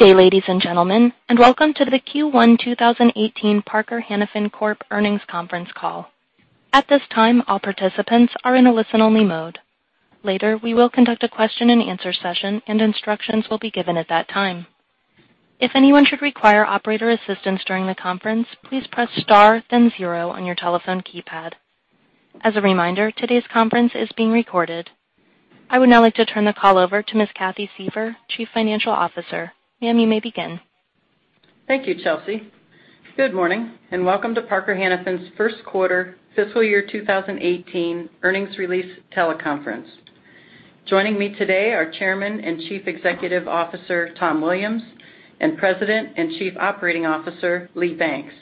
Good day, ladies and gentlemen, welcome to the Q1 2018 Parker-Hannifin Corp earnings conference call. At this time, all participants are in a listen-only mode. Later, we will conduct a question and answer session, and instructions will be given at that time. If anyone should require operator assistance during the conference, please press star then zero on your telephone keypad. As a reminder, today's conference is being recorded. I would now like to turn the call over to Ms. Catherine Suever, Chief Financial Officer. Ma'am, you may begin. Thank you, Chelsea. Good morning, welcome to Parker-Hannifin's first quarter fiscal year 2018 earnings release teleconference. Joining me today are Chairman and Chief Executive Officer, Thomas Williams, and President and Chief Operating Officer, Lee Banks.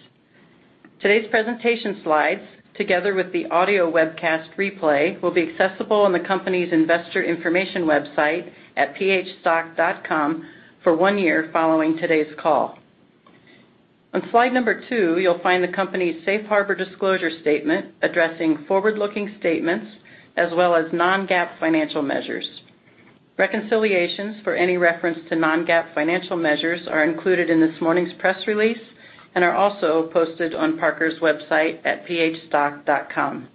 Today's presentation slides, together with the audio webcast replay, will be accessible on the company's investor information website at phstock.com for one year following today's call. On slide number two, you'll find the company's safe harbor disclosure statement addressing forward-looking statements as well as non-GAAP financial measures. Reconciliations for any reference to non-GAAP financial measures are included in this morning's press release and are also posted on Parker's website at phstock.com.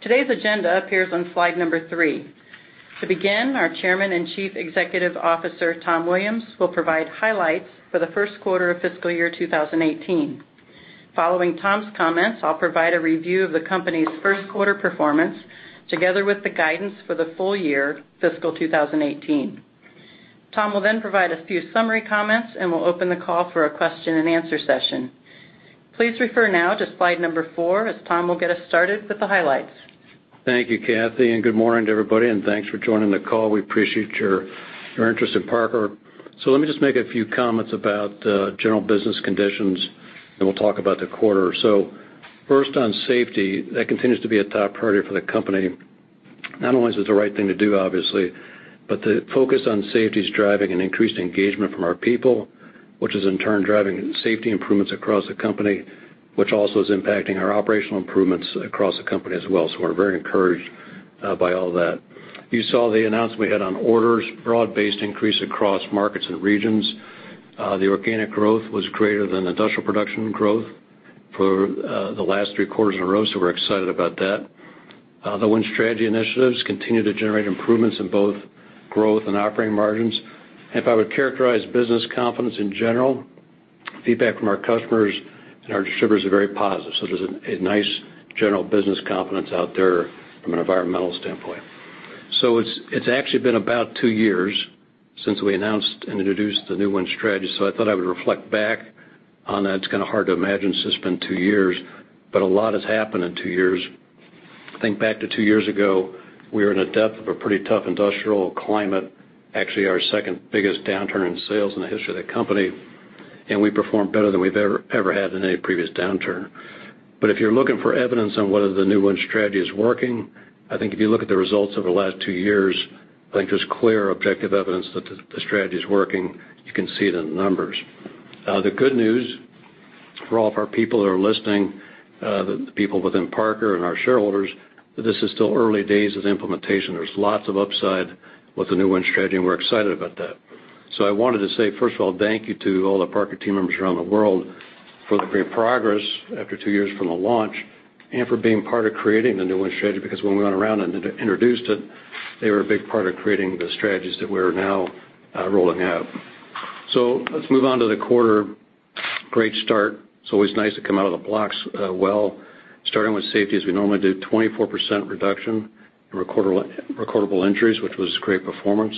Today's agenda appears on slide number three. To begin, our Chairman and Chief Executive Officer, Thomas Williams, will provide highlights for the first quarter of fiscal year 2018. Following Tom's comments, I'll provide a review of the company's first quarter performance, together with the guidance for the full year fiscal 2018. Tom will provide a few summary comments, and we'll open the call for a question and answer session. Please refer now to slide number four as Tom will get us started with the highlights. Thank you, Kathy, good morning to everybody, thanks for joining the call. We appreciate your interest in Parker. Let me just make a few comments about general business conditions, we'll talk about the quarter. First on safety, that continues to be a top priority for the company. Not only is it the right thing to do, obviously, but the focus on safety is driving an increased engagement from our people, which is in turn driving safety improvements across the company, which also is impacting our operational improvements across the company as well. We're very encouraged by all that. You saw the announcement we had on orders, broad-based increase across markets and regions. The organic growth was greater than industrial production growth for the last three quarters in a row, we're excited about that. The Win Strategy initiatives continue to generate improvements in both growth and operating margins. If I would characterize business confidence in general, feedback from our customers and our distributors are very positive. There's a nice general business confidence out there from an environmental standpoint. It's actually been about 2 years since we announced and introduced the new Win Strategy, I thought I would reflect back on that. It's kind of hard to imagine it's just been 2 years, but a lot has happened in 2 years. I think back to 2 years ago, we were in the depth of a pretty tough industrial climate, actually our second-biggest downturn in sales in the history of the company, and we performed better than we've ever had in any previous downturn. If you're looking for evidence on whether the new Win Strategy is working, I think if you look at the results over the last 2 years, I think there's clear objective evidence that the strategy is working. You can see it in the numbers. The good news for all of our people that are listening, the people within Parker and our shareholders, that this is still early days of the implementation. There's lots of upside with the new Win Strategy, and we're excited about that. I wanted to say, first of all, thank you to all the Parker team members around the world for the great progress after 2 years from the launch and for being part of creating the new Win Strategy, because when we went around and introduced it, they were a big part of creating the strategies that we're now rolling out. Let's move on to the quarter. Great start. It's always nice to come out of the blocks well. Starting with safety, as we normally do, 24% reduction in recordable injuries, which was great performance.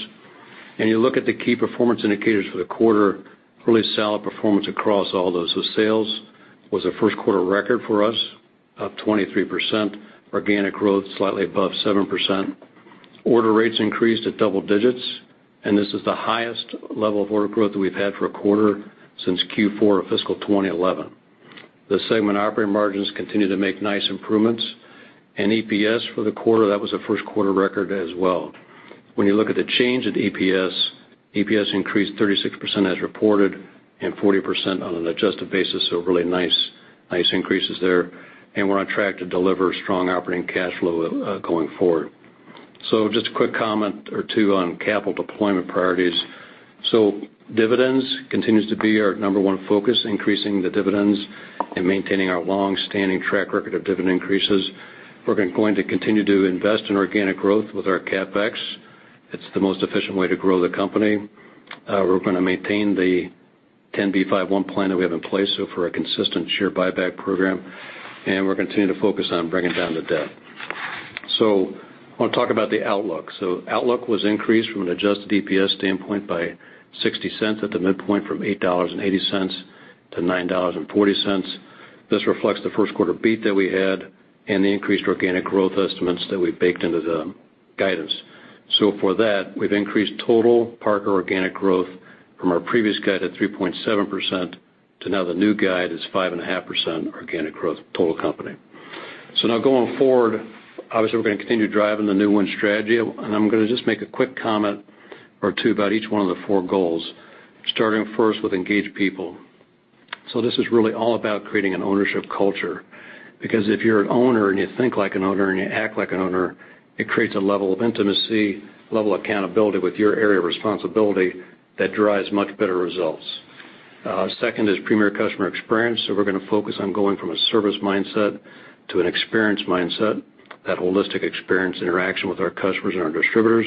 You look at the key performance indicators for the quarter, really solid performance across all those. Sales was a first quarter record for us, up 23%, organic growth slightly above 7%. Order rates increased at double digits, and this is the highest level of order growth that we've had for a quarter since Q4 of fiscal 2011. The segment operating margins continue to make nice improvements, and EPS for the quarter, that was a first quarter record as well. When you look at the change in EPS increased 36% as reported and 40% on an adjusted basis, really nice increases there, and we're on track to deliver strong operating cash flow going forward. Just a quick comment or two on capital deployment priorities. Dividends continues to be our number one focus, increasing the dividends and maintaining our long-standing track record of dividend increases. We're going to continue to invest in organic growth with our CapEx. It's the most efficient way to grow the company. We're going to maintain the Rule 10b5-1 plan that we have in place for a consistent share buyback program, and we're continuing to focus on bringing down the debt. I want to talk about the outlook. Outlook was increased from an adjusted EPS standpoint by $0.60 at the midpoint from $8.80 to $9.40. For that, we've increased total Parker organic growth from our previous guide at 3.7% to now the new guide is 5.5% organic growth total company. Now going forward, obviously, we're going to continue driving the new Win Strategy, and I'm going to just make a quick comment or two about each one of the four goals, starting first with engage people. This is really all about creating an ownership culture, because if you're an owner and you think like an owner and you act like an owner, it creates a level of intimacy, level of accountability with your area of responsibility that drives much better results. Second is premier customer experience. We're going to focus on going from a service mindset to an experience mindset, that holistic experience interaction with our customers and our distributors.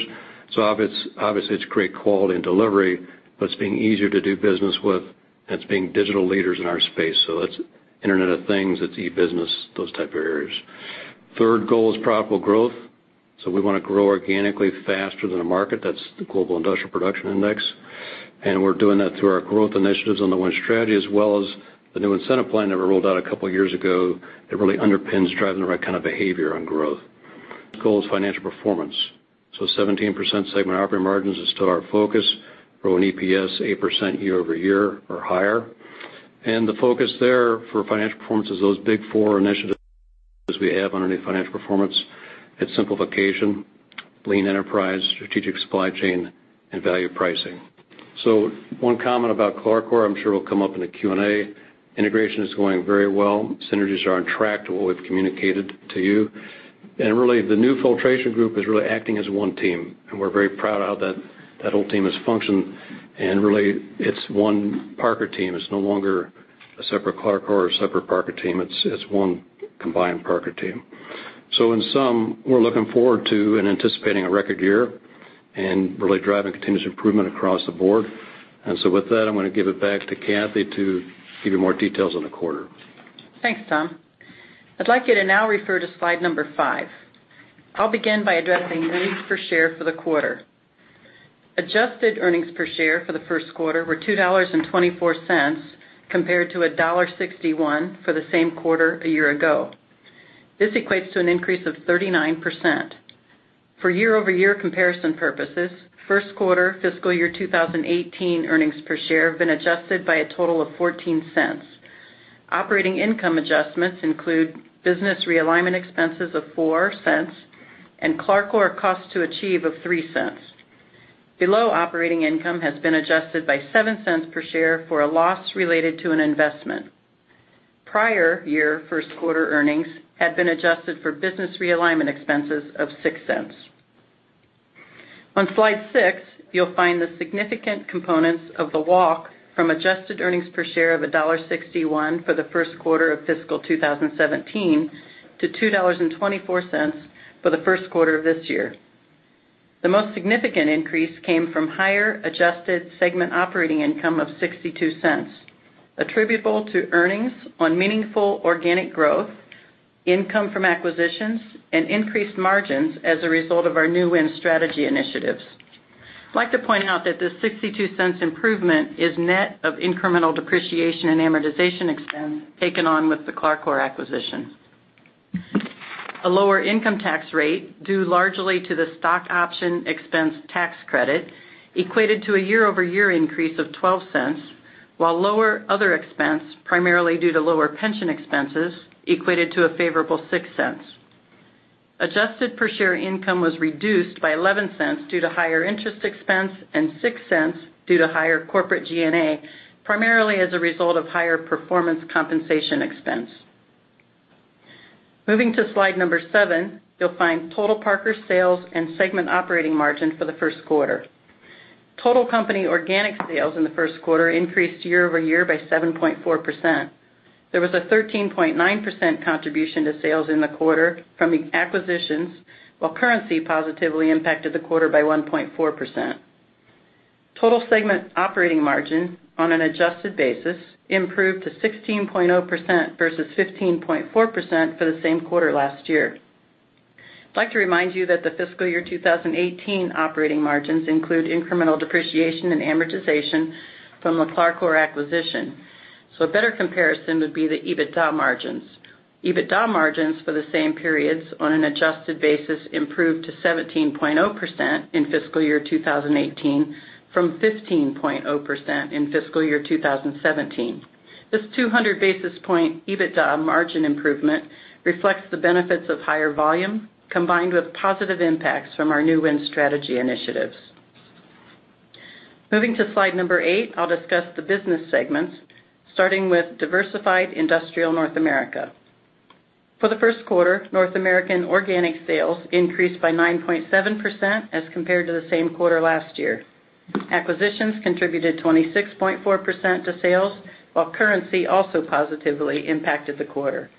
Obviously, it's great quality and delivery, but it's being easier to do business with and it's being digital leaders in our space. That's Internet of Things, that's e-business, those type of areas. Third goal is profitable growth. We want to grow organically faster than the market. That's the Global Industrial Production Index. We're doing that through our growth initiatives on the Win Strategy, as well as the new incentive plan that we rolled out a couple of years ago that really underpins driving the right kind of behavior on growth. Goal is financial performance. 17% segment operating margins is still our focus, growing EPS 8% year-over-year or higher. The focus there for financial performance is those big four initiatives we have underneath financial performance. It's simplification, lean enterprise, strategic supply chain, and value pricing. One comment about CLARCOR, I'm sure it'll come up in the Q&A. Integration is going very well. Synergies are on track to what we've communicated to you. Really, the new Filtration Group is really acting as one team, and we're very proud of how that whole team has functioned. Really, it's one Parker team. It's no longer a separate CLARCOR or a separate Parker team. It's one combined Parker team. In sum, we're looking forward to and anticipating a record year and really driving continuous improvement across the board. With that, I'm going to give it back to Kathy to give you more details on the quarter. Thanks, Tom. I'd like you to now refer to slide number five. I'll begin by addressing earnings per share for the quarter. Adjusted earnings per share for the first quarter were $2.24 compared to $1.61 for the same quarter a year ago. This equates to an increase of 39%. For year-over-year comparison purposes, first quarter fiscal year 2018 earnings per share have been adjusted by a total of $0.14. Operating income adjustments include business realignment expenses of $0.04 and CLARCOR cost to achieve of $0.03. Below operating income has been adjusted by $0.07 per share for a loss related to an investment. Prior year first quarter earnings had been adjusted for business realignment expenses of $0.06. On slide six, you'll find the significant components of the walk from adjusted earnings per share of $1.61 for the first quarter of fiscal 2017 to $2.24 for the first quarter of this year. The most significant increase came from higher adjusted segment operating income of $0.62, attributable to earnings on meaningful organic growth, income from acquisitions, and increased margins as a result of our new WIN Strategy initiatives. I'd like to point out that this $0.62 improvement is net of incremental depreciation and amortization expense taken on with the CLARCOR acquisition. A lower income tax rate, due largely to the stock option expense tax credit, equated to a year-over-year increase of $0.12, while lower other expense, primarily due to lower pension expenses, equated to a favorable $0.06. Adjusted per share income was reduced by $0.11 due to higher interest expense and $0.06 due to higher corporate G&A, primarily as a result of higher performance compensation expense. Moving to slide number seven, you'll find total Parker sales and segment operating margin for the first quarter. Total company organic sales in the first quarter increased year-over-year by 7.4%. There was a 13.9% contribution to sales in the quarter from the acquisitions, while currency positively impacted the quarter by 1.4%. Total segment operating margin on an adjusted basis improved to 16.0% versus 15.4% for the same quarter last year. I'd like to remind you that the fiscal year 2018 operating margins include incremental depreciation and amortization from the CLARCOR acquisition. A better comparison would be the EBITDA margins. EBITDA margins for the same periods on an adjusted basis improved to 17.0% in fiscal year 2018 from 15.0% in fiscal year 2017. This 200 basis point EBITDA margin improvement reflects the benefits of higher volume combined with positive impacts from our new Win Strategy initiatives. Moving to slide number eight, I'll discuss the business segments, starting with Diversified Industrial North America. For the first quarter, North American organic sales increased by 9.7% as compared to the same quarter last year. Acquisitions contributed 26.4% to sales, while currency also positively impacted the quarter.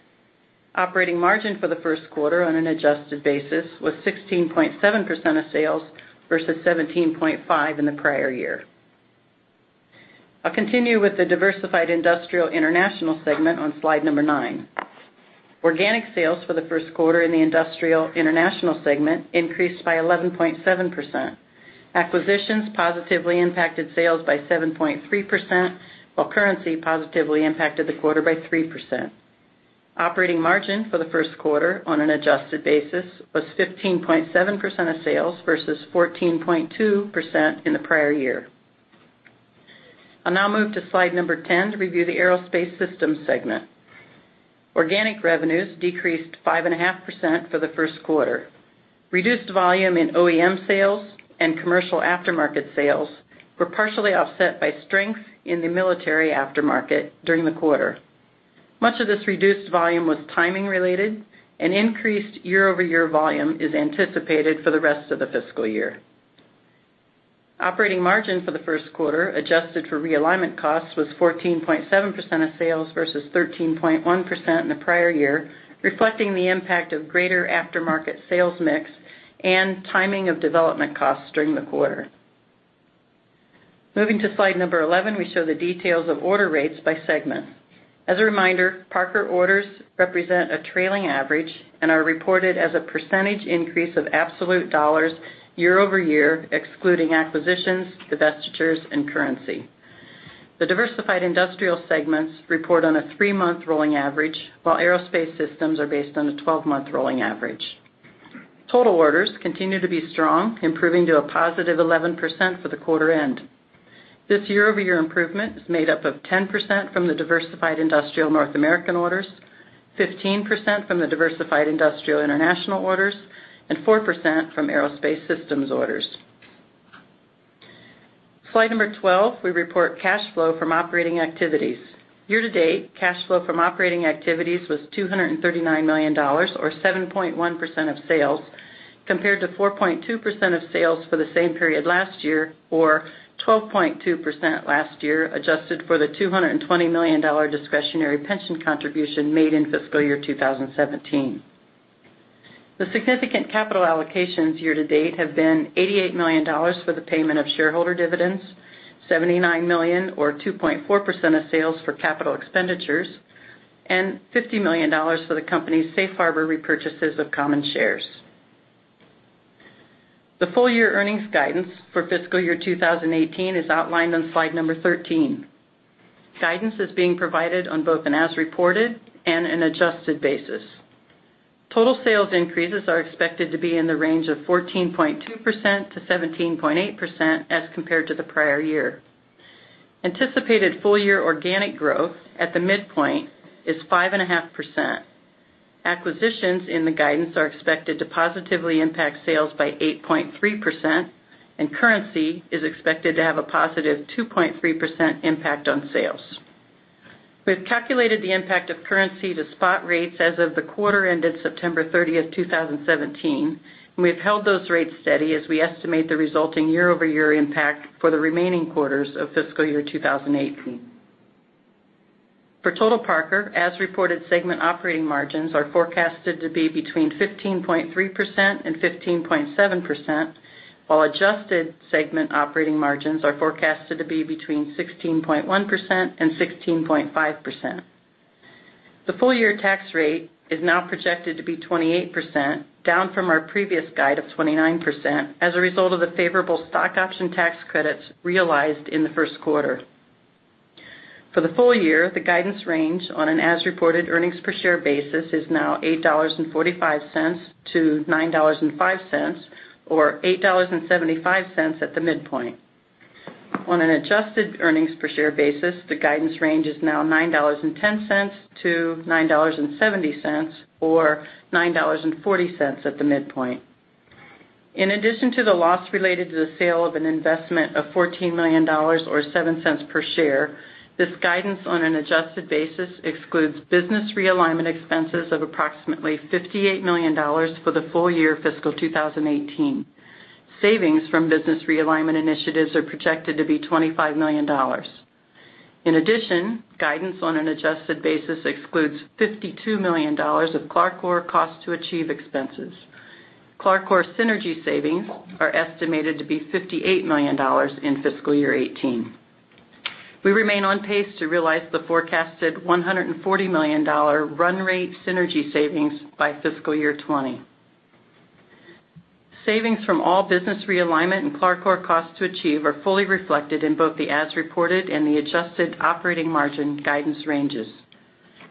Operating margin for the first quarter on an adjusted basis was 16.7% of sales versus 17.5% in the prior year. I'll continue with the Diversified Industrial International segment on slide number nine. Organic sales for the first quarter in the Industrial International segment increased by 11.7%. Acquisitions positively impacted sales by 7.3%, while currency positively impacted the quarter by 3%. Operating margin for the first quarter on an adjusted basis was 15.7% of sales versus 14.2% in the prior year. I'll now move to slide number 10 to review the Aerospace Systems segment. Organic revenues decreased 5.5% for the first quarter. Reduced volume in OEM sales and commercial aftermarket sales were partially offset by strength in the military aftermarket during the quarter. Much of this reduced volume was timing related, and increased year-over-year volume is anticipated for the rest of the fiscal year. Operating margin for the first quarter, adjusted for realignment costs, was 14.7% of sales versus 13.1% in the prior year, reflecting the impact of greater aftermarket sales mix and timing of development costs during the quarter. Moving to slide number 11, we show the details of order rates by segment. As a reminder, Parker orders represent a trailing average and are reported as a percentage increase of absolute dollars year-over-year, excluding acquisitions, divestitures, and currency. The Diversified Industrial segments report on a three-month rolling average, while Aerospace Systems are based on a 12-month rolling average. Total orders continue to be strong, improving to a positive 11% for the quarter end. This year-over-year improvement is made up of 10% from the Diversified Industrial North America orders, 15% from the Diversified Industrial International orders, and 4% from Aerospace Systems orders. Slide 12, we report cash flow from operating activities. Year to date, cash flow from operating activities was $239 million, or 7.1% of sales, compared to 4.2% of sales for the same period last year or 12.2% last year, adjusted for the $220 million discretionary pension contribution made in fiscal year 2017. The significant capital allocations year to date have been $88 million for the payment of shareholder dividends, $79 million, or 2.4% of sales, for capital expenditures, and $50 million for the company's safe harbor repurchases of common shares. The full year earnings guidance for fiscal year 2018 is outlined on Slide 13. Guidance is being provided on both an as reported and an adjusted basis. Total sales increases are expected to be in the range of 14.2%-17.8% as compared to the prior year. Anticipated full year organic growth at the midpoint is 5.5%. Acquisitions in the guidance are expected to positively impact sales by 8.3%, and currency is expected to have a positive 2.3% impact on sales. We've calculated the impact of currency to spot rates as of the quarter ended September 30, 2017, and we've held those rates steady as we estimate the resulting year-over-year impact for the remaining quarters of fiscal year 2018. For total Parker, as reported segment operating margins are forecasted to be between 15.3% and 15.7%, while adjusted segment operating margins are forecasted to be between 16.1% and 16.5%. The full year tax rate is now projected to be 28%, down from our previous guide of 29%, as a result of the favorable stock option tax credits realized in the first quarter. For the full year, the guidance range on an as reported earnings per share basis is now $8.45-$9.05, or $8.75 at the midpoint. On an adjusted earnings per share basis, the guidance range is now $9.10-$9.70 or $9.40 at the midpoint. In addition to the loss related to the sale of an investment of $14 million or $0.07 per share, this guidance on an adjusted basis excludes business realignment expenses of approximately $58 million for the full year fiscal year 2018. Savings from business realignment initiatives are projected to be $25 million. In addition, guidance on an adjusted basis excludes $52 million of CLARCOR cost to achieve expenses. CLARCOR synergy savings are estimated to be $58 million in fiscal year 2018. We remain on pace to realize the forecasted $140 million run rate synergy savings by fiscal year 2020. Savings from all business realignment and CLARCOR cost to achieve are fully reflected in both the as reported and the adjusted operating margin guidance ranges.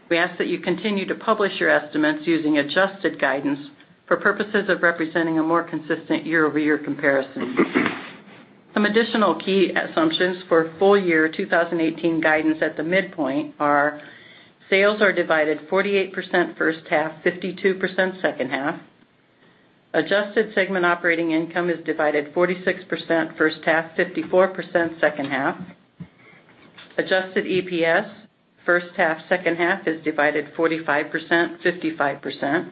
We ask that you continue to publish your estimates using adjusted guidance for purposes of representing a more consistent year-over-year comparison. Some additional key assumptions for full year 2018 guidance at the midpoint are, sales are divided 48% first half, 52% second half. Adjusted segment operating income is divided 46% first half, 54% second half. Adjusted EPS first half, second half is divided 45%, 55%.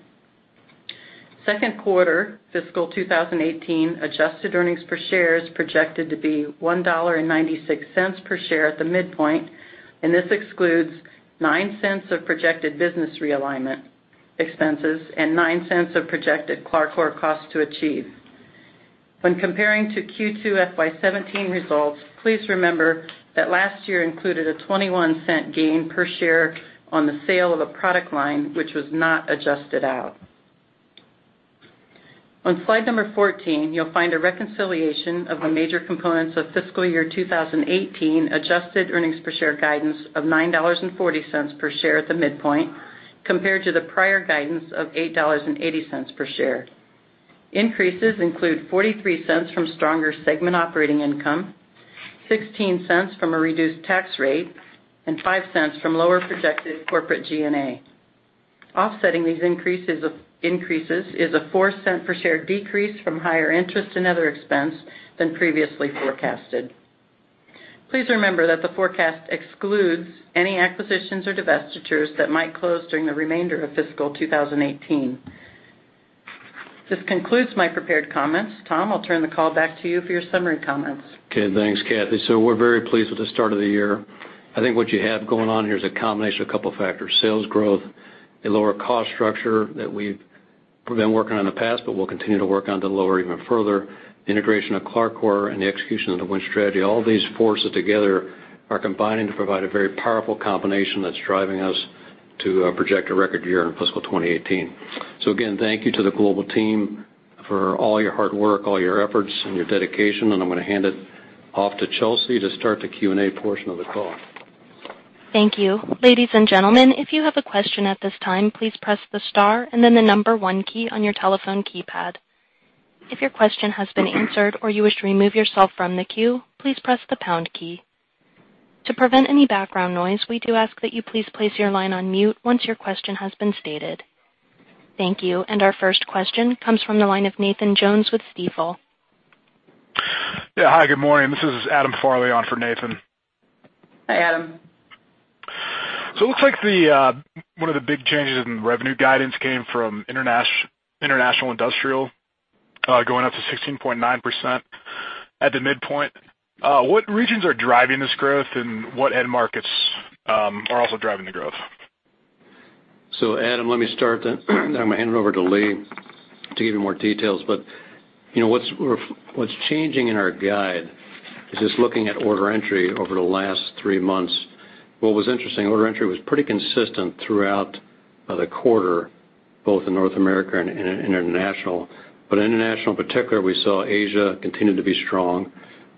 Second quarter fiscal 2018 adjusted earnings per share is projected to be $1.96 per share at the midpoint, and this excludes $0.09 of projected business realignment expenses and $0.09 of projected CLARCOR cost to achieve. When comparing to Q2 FY 2017 results, please remember that last year included a $0.21 gain per share on the sale of a product line which was not adjusted out. On slide number 14, you'll find a reconciliation of the major components of fiscal year 2018 adjusted earnings per share guidance of $9.40 per share at the midpoint compared to the prior guidance of $8.80 per share. Increases include $0.43 from stronger segment operating income. $0.16 from a reduced tax rate and $0.05 from lower projected corporate G&A. Offsetting these increases is a $0.04 per share decrease from higher interest and other expense than previously forecasted. Please remember that the forecast excludes any acquisitions or divestitures that might close during the remainder of fiscal 2018. This concludes my prepared comments. Tom, I'll turn the call back to you for your summary comments. Thanks, Cathy. We're very pleased with the start of the year. I think what you have going on here is a combination of a couple factors, sales growth, a lower cost structure that we've been working on in the past, but we'll continue to work on to lower even further, the integration of CLARCOR and the execution of the Win Strategy. All these forces together are combining to provide a very powerful combination that's driving us to project a record year in fiscal 2018. Again, thank you to the global team for all your hard work, all your efforts, and your dedication, and I'm going to hand it off to Chelsea to start the Q&A portion of the call. Thank you. Ladies and gentlemen, if you have a question at this time, please press the star and then the number 1 key on your telephone keypad. If your question has been answered or you wish to remove yourself from the queue, please press the pound key. To prevent any background noise, we do ask that you please place your line on mute once your question has been stated. Thank you. Our first question comes from the line of Nathan Jones with Stifel. Hi, good morning. This is Adam Farley on for Nathan. Hi, Adam. It looks like one of the big changes in revenue guidance came from international industrial, going up to 16.9% at the midpoint. What regions are driving this growth and what end markets are also driving the growth? Adam, let me start then. I'm going to hand it over to Lee to give you more details. What's changing in our guide is just looking at order entry over the last three months. What was interesting, order entry was pretty consistent throughout the quarter, both in North America and international. International in particular, we saw Asia continue to be strong.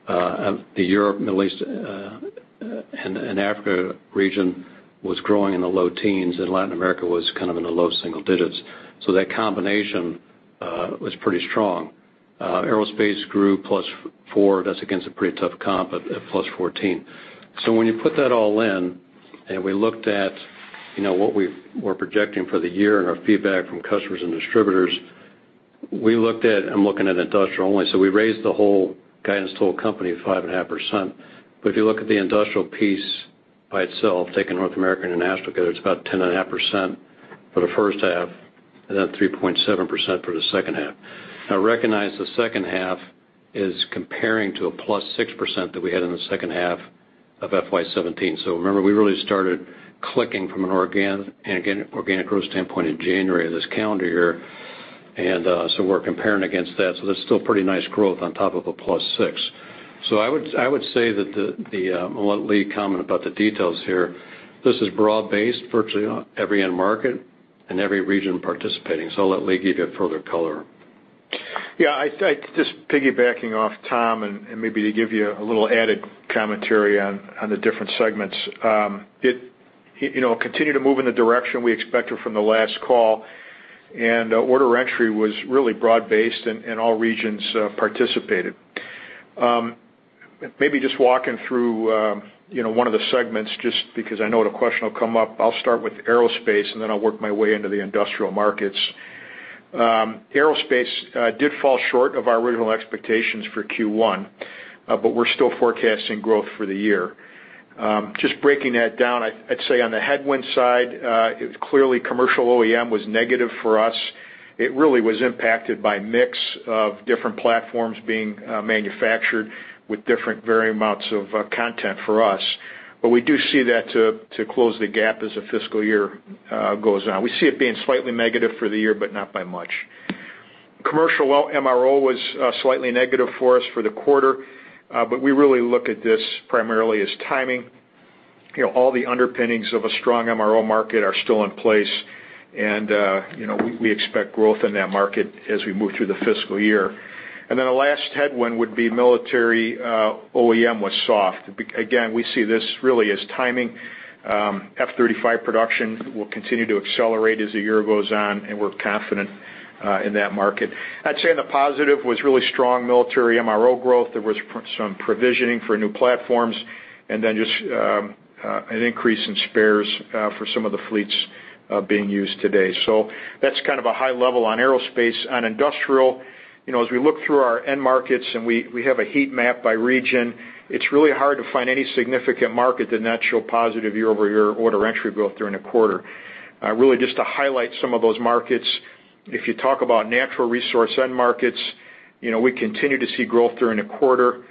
The Europe, Middle East, and Africa region was growing in the low teens, and Latin America was kind of in the low single digits. That combination was pretty strong. Aerospace grew plus four. That's against a pretty tough comp at plus 14. When you put that all in and we looked at what we were projecting for the year and our feedback from customers and distributors, we looked at, I'm looking at industrial only, we raised the whole guidance to whole company 5.5%. If you look at the industrial piece by itself, taking North America, international together, it's about 10.5% for the first half and then 3.7% for the second half. Now recognize the second half is comparing to a +6% that we had in the second half of FY 2017. Remember, we really started clicking from an organic growth standpoint in January of this calendar year, and we're comparing against that. That's still pretty nice growth on top of a +6%. I would say that the, I'll let Lee Banks comment about the details here. This is broad-based, virtually every end market and every region participating. I'll let Lee Banks give you further color. Just piggybacking off Tom Williams, to give you a little added commentary on the different segments. It continued to move in the direction we expected from the last call, order entry was really broad-based, all regions participated. Just walking through one of the segments, just because I know the question will come up. I'll start with Aerospace, and then I'll work my way into the industrial markets. Aerospace did fall short of our original expectations for Q1, we're still forecasting growth for the year. Just breaking that down, on the headwind side, clearly commercial OEM was negative for us. It really was impacted by mix of different platforms being manufactured with different varying amounts of content for us. We do see that to close the gap as the fiscal year goes on. We see it being slightly negative for the year, not by much. Commercial MRO was slightly negative for us for the quarter, we really look at this primarily as timing. All the underpinnings of a strong MRO market are still in place, we expect growth in that market as we move through the fiscal year. The last headwind would be military OEM was soft. We see this really as timing. F-35 production will continue to accelerate as the year goes on, we're confident in that market. In the positive was really strong military MRO growth. There was some provisioning for new platforms, just an increase in spares for some of the fleets being used today. That's kind of a high level on Aerospace. On Industrial, as we look through our end markets, we have a heat map by region, it's really hard to find any significant market that not show positive year-over-year order entry growth during the quarter. Just to highlight some of those markets, if you talk about natural resource end markets, we continue to see growth during the quarter.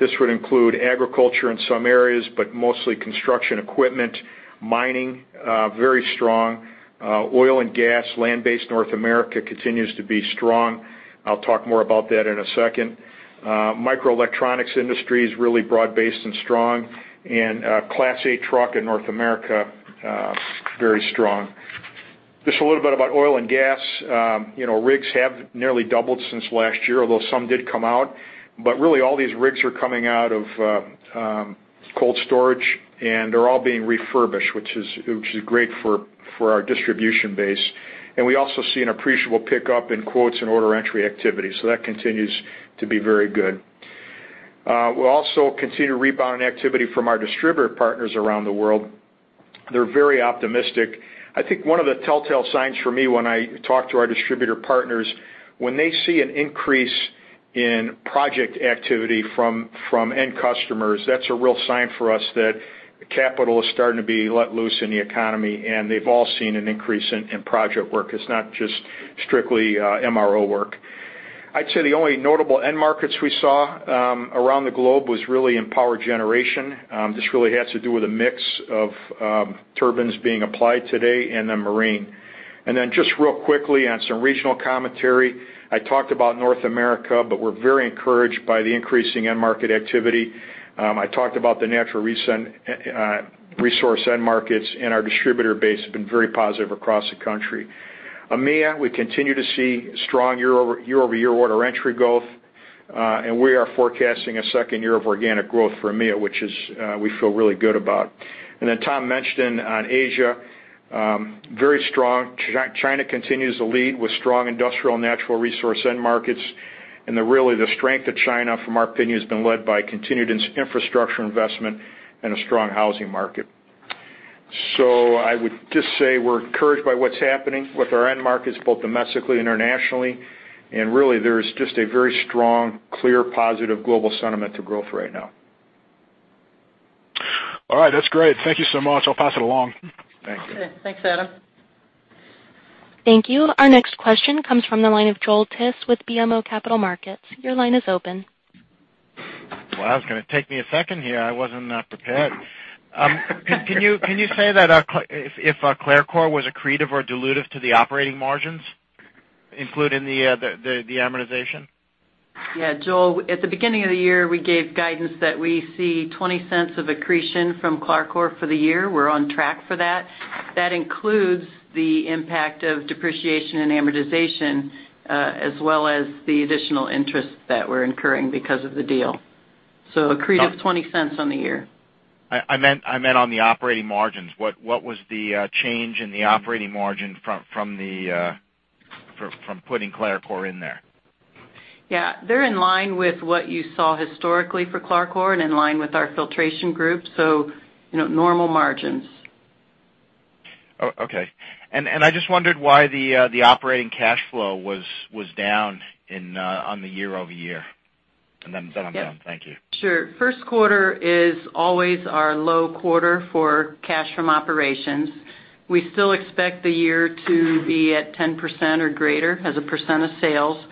This would include agriculture in some areas, mostly construction equipment, mining, very strong. Oil and gas, land-based North America continues to be strong. I'll talk more about that in a second. Microelectronics industry is really broad-based and strong, and Class 8 truck in North America, very strong. A little bit about oil and gas. Rigs have nearly doubled since last year, although some did come out. Really all these rigs are coming out of cold storage, they're all being refurbished, which is great for our distribution base. We also see an appreciable pickup in quotes and order entry activity. That continues to be very good. We'll also continue to rebound in activity from our distributor partners around the world. They're very optimistic. I think one of the telltale signs for me when I talk to our distributor partners, when they see an increase in project activity from end customers, that's a real sign for us that capital is starting to be let loose in the economy, and they've all seen an increase in project work. It's not just strictly MRO work. I'd say the only notable end markets we saw around the globe was really in power generation. This really has to do with a mix of turbines being applied today and the marine. Just real quickly on some regional commentary. I talked about North America, but we're very encouraged by the increasing end market activity. I talked about the natural resource end markets, and our distributor base has been very positive across the country. EMEA, we continue to see strong year-over-year order entry growth. We are forecasting a second year of organic growth for EMEA, which we feel really good about. Tom mentioned on Asia, very strong. China continues to lead with strong industrial and natural resource end markets. Really, the strength of China, from our opinion, has been led by continued infrastructure investment and a strong housing market. I would just say we're encouraged by what's happening with our end markets, both domestically and internationally. There is just a very strong, clear, positive global sentiment to growth right now. All right. That's great. Thank you so much. I'll pass it along. Thank you. Okay. Thanks, Adam. Thank you. Our next question comes from the line of Joel Tiss with BMO Capital Markets. Your line is open. That was going to take me a second here. I was not prepared. Can you say that if CLARCOR was accretive or dilutive to the operating margins, including the amortization? Joel, at the beginning of the year, we gave guidance that we see $0.20 of accretion from CLARCOR for the year. We're on track for that. That includes the impact of depreciation and amortization, as well as the additional interest that we're incurring because of the deal. Accretive $0.20 on the year. I meant on the operating margins. What was the change in the operating margin from putting CLARCOR in there? They're in line with what you saw historically for CLARCOR and in line with our Filtration Group, normal margins. I just wondered why the operating cash flow was down on the year-over-year. I'm done. Thank you. Sure. First quarter is always our low quarter for cash from operations. We still expect the year to be at 10% or greater as a percent of sales.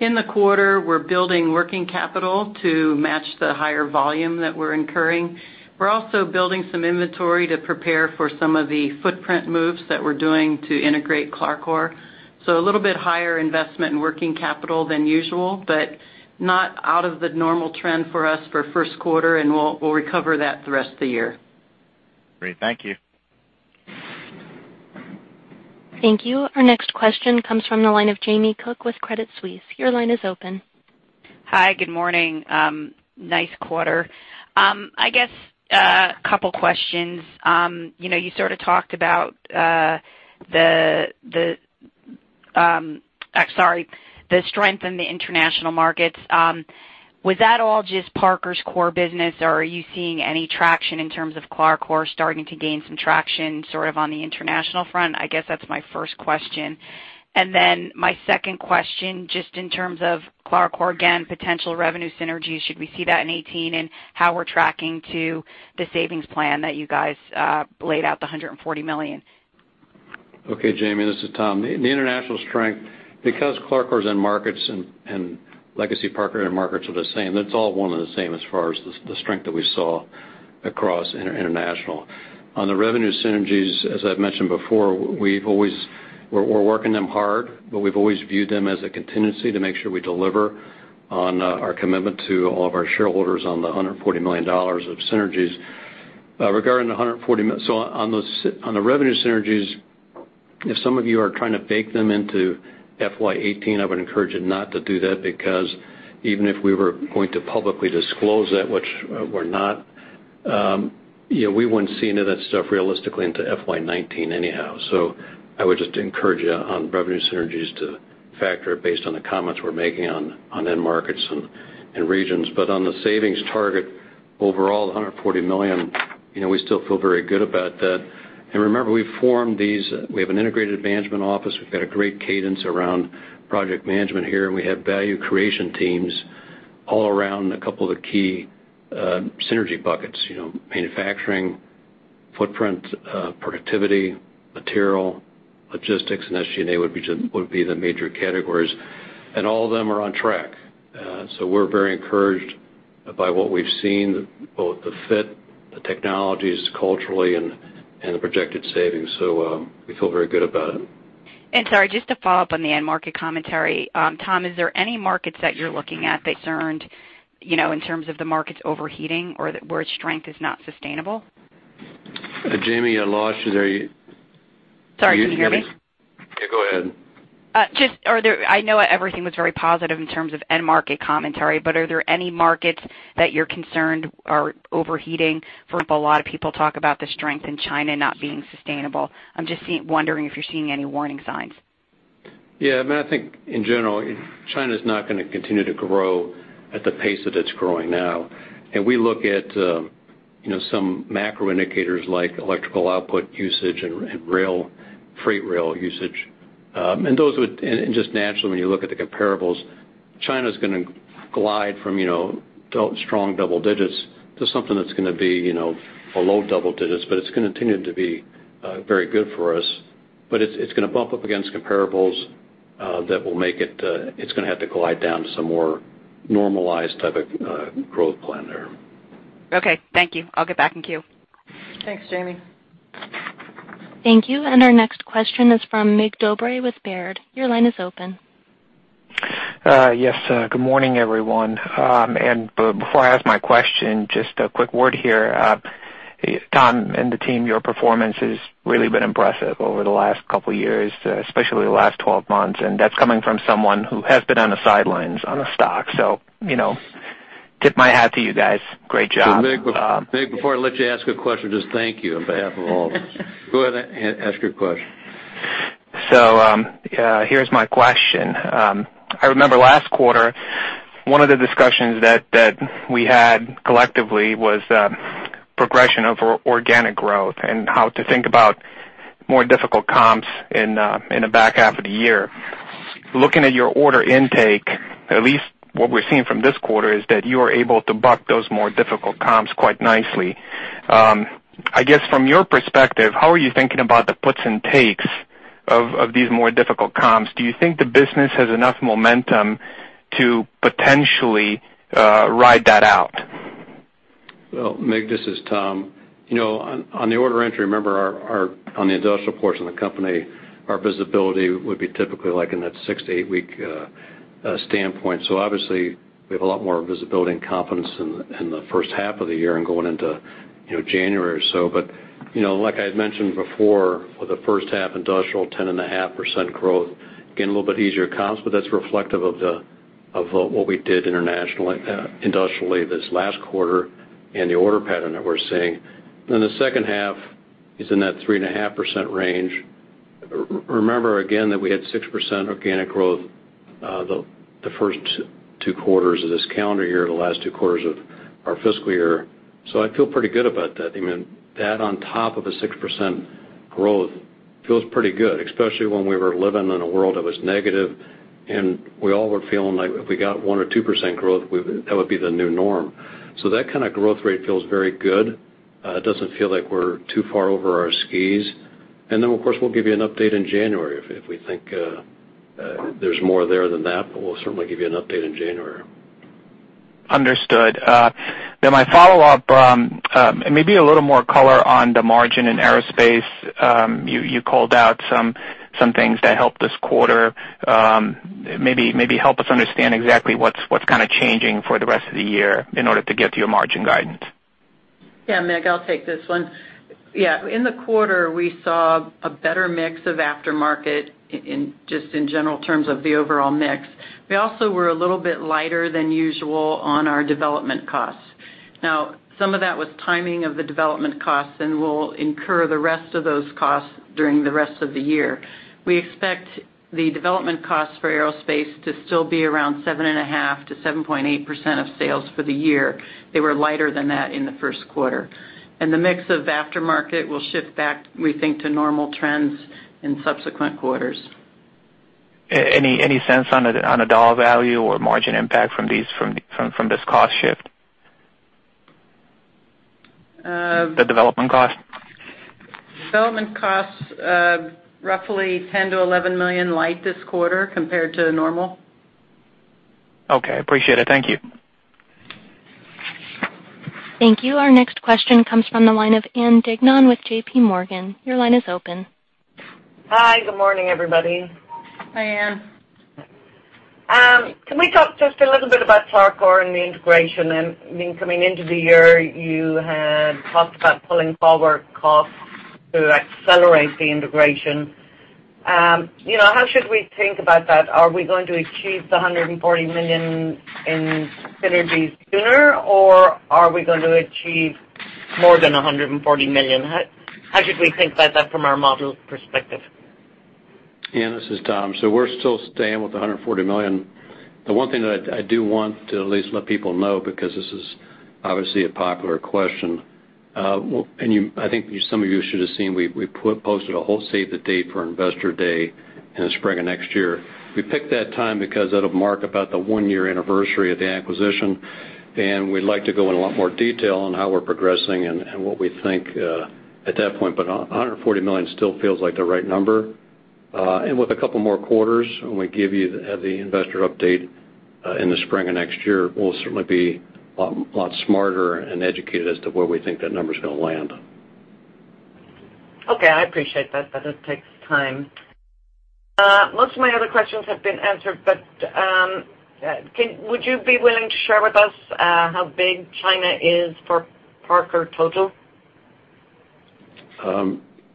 In the quarter, we're building working capital to match the higher volume that we're incurring. We're also building some inventory to prepare for some of the footprint moves that we're doing to integrate CLARCOR. A little bit higher investment in working capital than usual, but not out of the normal trend for us for first quarter, and we'll recover that the rest of the year. Great. Thank you. Thank you. Our next question comes from the line of Jamie Cook with Credit Suisse. Your line is open. Hi. Good morning. Nice quarter. I guess, a couple questions. You sort of talked about the strength in the international markets. Was that all just Parker's core business, or are you seeing any traction in terms of CLARCOR starting to gain some traction sort of on the international front? I guess that's my first question. My second question, just in terms of CLARCOR, again, potential revenue synergies, should we see that in 2018, and how we're tracking to the savings plan that you guys laid out, the $140 million? Okay, Jamie, this is Tom. The international strength, because CLARCOR's end markets and legacy Parker end markets are the same, it's all one and the same as far as the strength that we saw across international. On the revenue synergies, as I've mentioned before, we're working them hard, but we've always viewed them as a contingency to make sure we deliver on our commitment to all of our shareholders on the $140 million of synergies. On the revenue synergies, if some of you are trying to bake them into FY 2018, I would encourage you not to do that, because even if we were going to publicly disclose that, which we're not, we wouldn't see any of that stuff realistically into FY 2019 anyhow. I would just encourage you on revenue synergies to factor it based on the comments we're making on end markets and regions. On the savings target, overall, the $140 million, we still feel very good about that. Remember, we have an integrated management office. We've got a great cadence around project management here, and we have value creation teams all around a couple of the key synergy buckets. Manufacturing, footprint productivity, material, logistics, and SG&A would be the major categories. All of them are on track. We're very encouraged by what we've seen, both the fit, the technologies culturally, and the projected savings. We feel very good about it. Sorry, just to follow up on the end market commentary. Tom, is there any markets that you're looking at that you're concerned in terms of the markets overheating or where strength is not sustainable? Jamie, a lot. Sorry, can you hear me? Yeah, go ahead. Just, I know everything was very positive in terms of end market commentary, but are there any markets that you're concerned are overheating? For example, a lot of people talk about the strength in China not being sustainable. I'm just wondering if you're seeing any warning signs. Yeah. I think in general, China's not going to continue to grow at the pace that it's growing now. We look at some macro indicators like electrical output usage and freight rail usage. Just naturally, when you look at the comparables, China's going to glide from strong double digits to something that's going to be below double digits, but it's going to continue to be very good for us. It's going to bump up against comparables that will make it's going to have to glide down to some more normalized type of growth plan there. Okay, thank you. I'll get back in queue. Thanks, Jamie. Thank you. Our next question is from Mig Dobre with Baird. Your line is open. Yes, good morning, everyone. Before I ask my question, just a quick word here. Tom and the team, your performance has really been impressive over the last couple of years, especially the last 12 months, and that's coming from someone who has been on the sidelines on the stock. Tip my hat to you guys. Great job. Mig, before I let you ask a question, just thank you on behalf of all of us. Go ahead and ask your question. Here's my question. I remember last quarter, one of the discussions that we had collectively was progression of organic growth and how to think about more difficult comps in the back half of the year. Looking at your order intake, at least what we're seeing from this quarter, is that you are able to buck those more difficult comps quite nicely. I guess from your perspective, how are you thinking about the puts and takes of these more difficult comps? Do you think the business has enough momentum to potentially ride that out? Mig, this is Tom. On the order entry, remember on the industrial portion of the company, our visibility would be typically like in that six to eight-week standpoint. Obviously, we have a lot more visibility and confidence in the first half of the year and going into January or so. But like I had mentioned before, with the first half industrial, 10.5% growth, again, a little bit easier comps, but that's reflective of what we did industrially this last quarter and the order pattern that we're seeing. Then the second half is in that 3.5% range. Remember, again, that we had 6% organic growth the first two quarters of this calendar year, the last two quarters of our fiscal year. I feel pretty good about that. That on top of a 6% growth feels pretty good, especially when we were living in a world that was negative, and we all were feeling like if we got 1% or 2% growth, that would be the new norm. That kind of growth rate feels very good. It doesn't feel like we're too far over our skis. Of course, we'll give you an update in January if we think there's more there than that, but we'll certainly give you an update in January. Understood. My follow-up, a little more color on the margin in Aerospace. You called out some things that helped this quarter. Maybe help us understand exactly what's kind of changing for the rest of the year in order to get to your margin guidance. Mig, I'll take this one. In the quarter, we saw a better mix of aftermarket, just in general terms of the overall mix. We also were a little bit lighter than usual on our development costs. Some of that was timing of the development costs, and we'll incur the rest of those costs during the rest of the year. We expect the development costs for Aerospace to still be around 7.5%-7.8% of sales for the year. They were lighter than that in the first quarter. The mix of aftermarket will shift back, we think, to normal trends in subsequent quarters. Any sense on a dollar value or margin impact from this cost shift? The development cost. Development costs, roughly $10 million-$11 million light this quarter compared to normal. Okay, appreciate it. Thank you. Thank you. Our next question comes from the line of Ann Duignan with J.P. Morgan. Your line is open. Hi, good morning, everybody. Hi, Ann. Can we talk just a little bit about CLARCOR and the integration? Coming into the year, you had talked about pulling forward costs to accelerate the integration. How should we think about that? Are we going to achieve the $140 million in synergies sooner, or are we going to achieve more than $140 million? How should we think about that from our model perspective? Ann, this is Tom. We're still staying with the $140 million. The one thing that I do want to at least let people know, because this is obviously a popular question, and I think some of you should have seen, we posted a whole save the date for Investor Day in the spring of next year. We picked that time because that'll mark about the one-year anniversary of the acquisition, and we'd like to go in a lot more detail on how we're progressing and what we think at that point. $140 million still feels like the right number. With a couple more quarters, when we give you the investor update in the spring of next year, we'll certainly be a lot smarter and educated as to where we think that number's going to land. Okay, I appreciate that. That just takes time. Most of my other questions have been answered, but would you be willing to share with us how big China is for Parker total?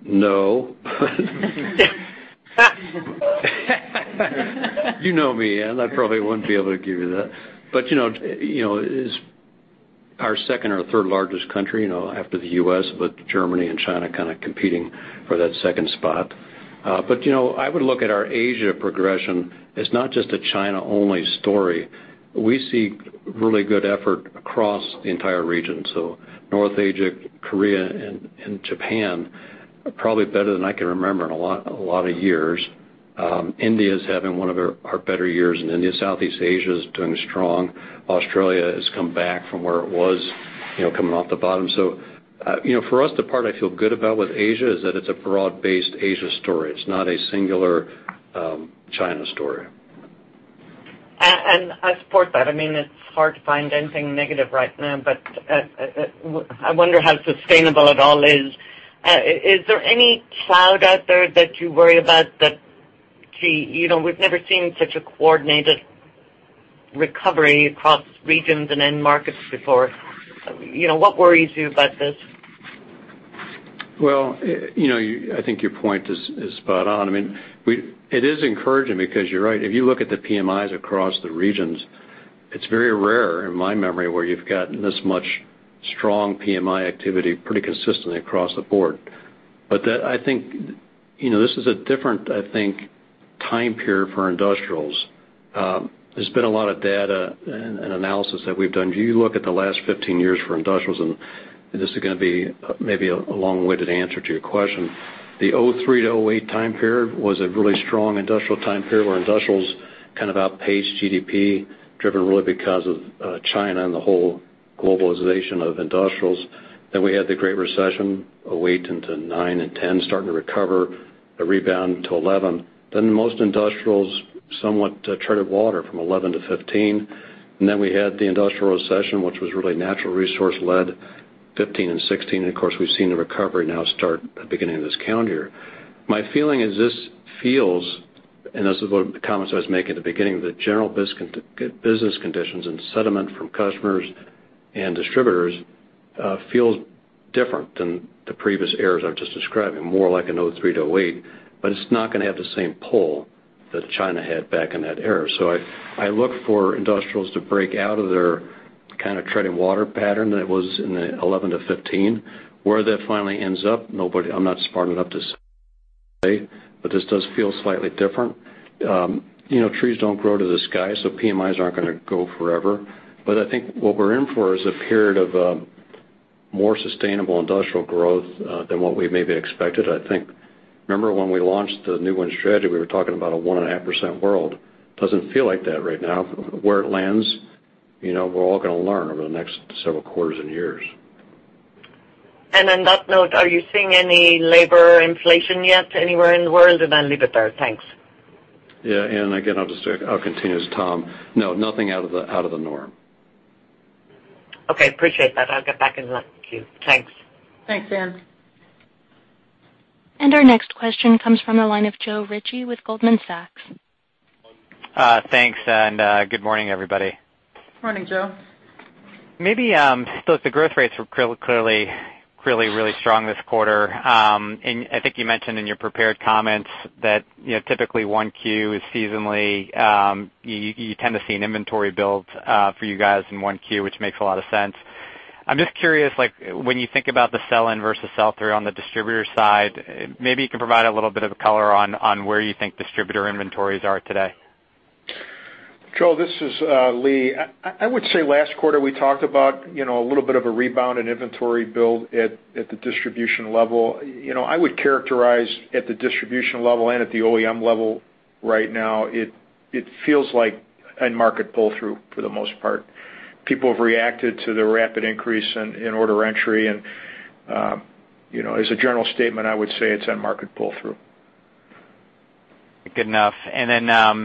No. You know me, Ann, I probably wouldn't be able to give you that. It is our second or third largest country after the U.S., with Germany and China kind of competing for that second spot. I would look at our Asia progression as not just a China-only story. We see really good effort across the entire region, North Asia, Korea, and Japan are probably better than I can remember in a lot of years. India's having one of our better years in India. Southeast Asia is doing strong. Australia has come back from where it was, coming off the bottom. For us, the part I feel good about with Asia is that it's a broad-based Asia story. It's not a singular China story. I support that. It's hard to find anything negative right now, I wonder how sustainable it all is. Is there any cloud out there that you worry about that, we've never seen such a coordinated recovery across regions and end markets before. What worries you about this? I think your point is spot on. It is encouraging because you're right. If you look at the PMIs across the regions, it's very rare, in my memory, where you've gotten this much strong PMI activity pretty consistently across the board. I think this is a different time period for industrials. There's been a lot of data and analysis that we've done. You look at the last 15 years for industrials, and this is going to be maybe a long-winded answer to your question. The 2003 to 2008 time period was a really strong industrial time period where industrials kind of outpaced GDP, driven really because of China and the whole globalization of industrials. We had the Great Recession, 2008 into 2009 and 2010, starting to recover, a rebound to 2011. Most industrials somewhat treaded water from 2011 to 2015. We had the industrial recession, which was really natural resource-led, 2015 and 2016. Of course, we've seen the recovery now start at the beginning of this calendar year. My feeling is this feels, and those are the comments I was making at the beginning, the general business conditions and sentiment from customers and distributors feels different than the previous eras I've just described, more like an 2003 to 2008, but it's not going to have the same pull that China had back in that era. I look for industrials to break out of their kind of treading water pattern that was in 2011 to 2015. Where that finally ends up, I'm not smart enough to say, but this does feel slightly different. Trees don't grow to the sky, PMIs aren't going to go forever. I think what we're in for is a period of more sustainable industrial growth than what we maybe expected. I think, remember when we launched the new Win Strategy, we were talking about a 1.5% world. Doesn't feel like that right now. Where it lands, we're all going to learn over the next several quarters and years. On that note, are you seeing any labor inflation yet anywhere in the world? I'll leave it there. Thanks. Yeah. Ann, again, I'll continue as Tom. No, nothing out of the norm. Okay. Appreciate that. I'll get back in the queue. Thanks. Thanks, Ann. Our next question comes from the line of Joe Ritchie with Goldman Sachs. Thanks, good morning, everybody. Morning, Joe. Maybe still at the growth rates were clearly really strong this quarter. I think you mentioned in your prepared comments that typically 1Q is seasonally, you tend to see an inventory build for you guys in 1Q, which makes a lot of sense. I'm just curious, when you think about the sell-in versus sell-through on the distributor side, maybe you can provide a little bit of color on where you think distributor inventories are today. Joe, this is Lee. I would say last quarter, we talked about a little bit of a rebound in inventory build at the distribution level. I would characterize at the distribution level and at the OEM level right now, it feels like end market pull-through for the most part. People have reacted to the rapid increase in order entry and, as a general statement, I would say it's end market pull-through. Good enough. Then if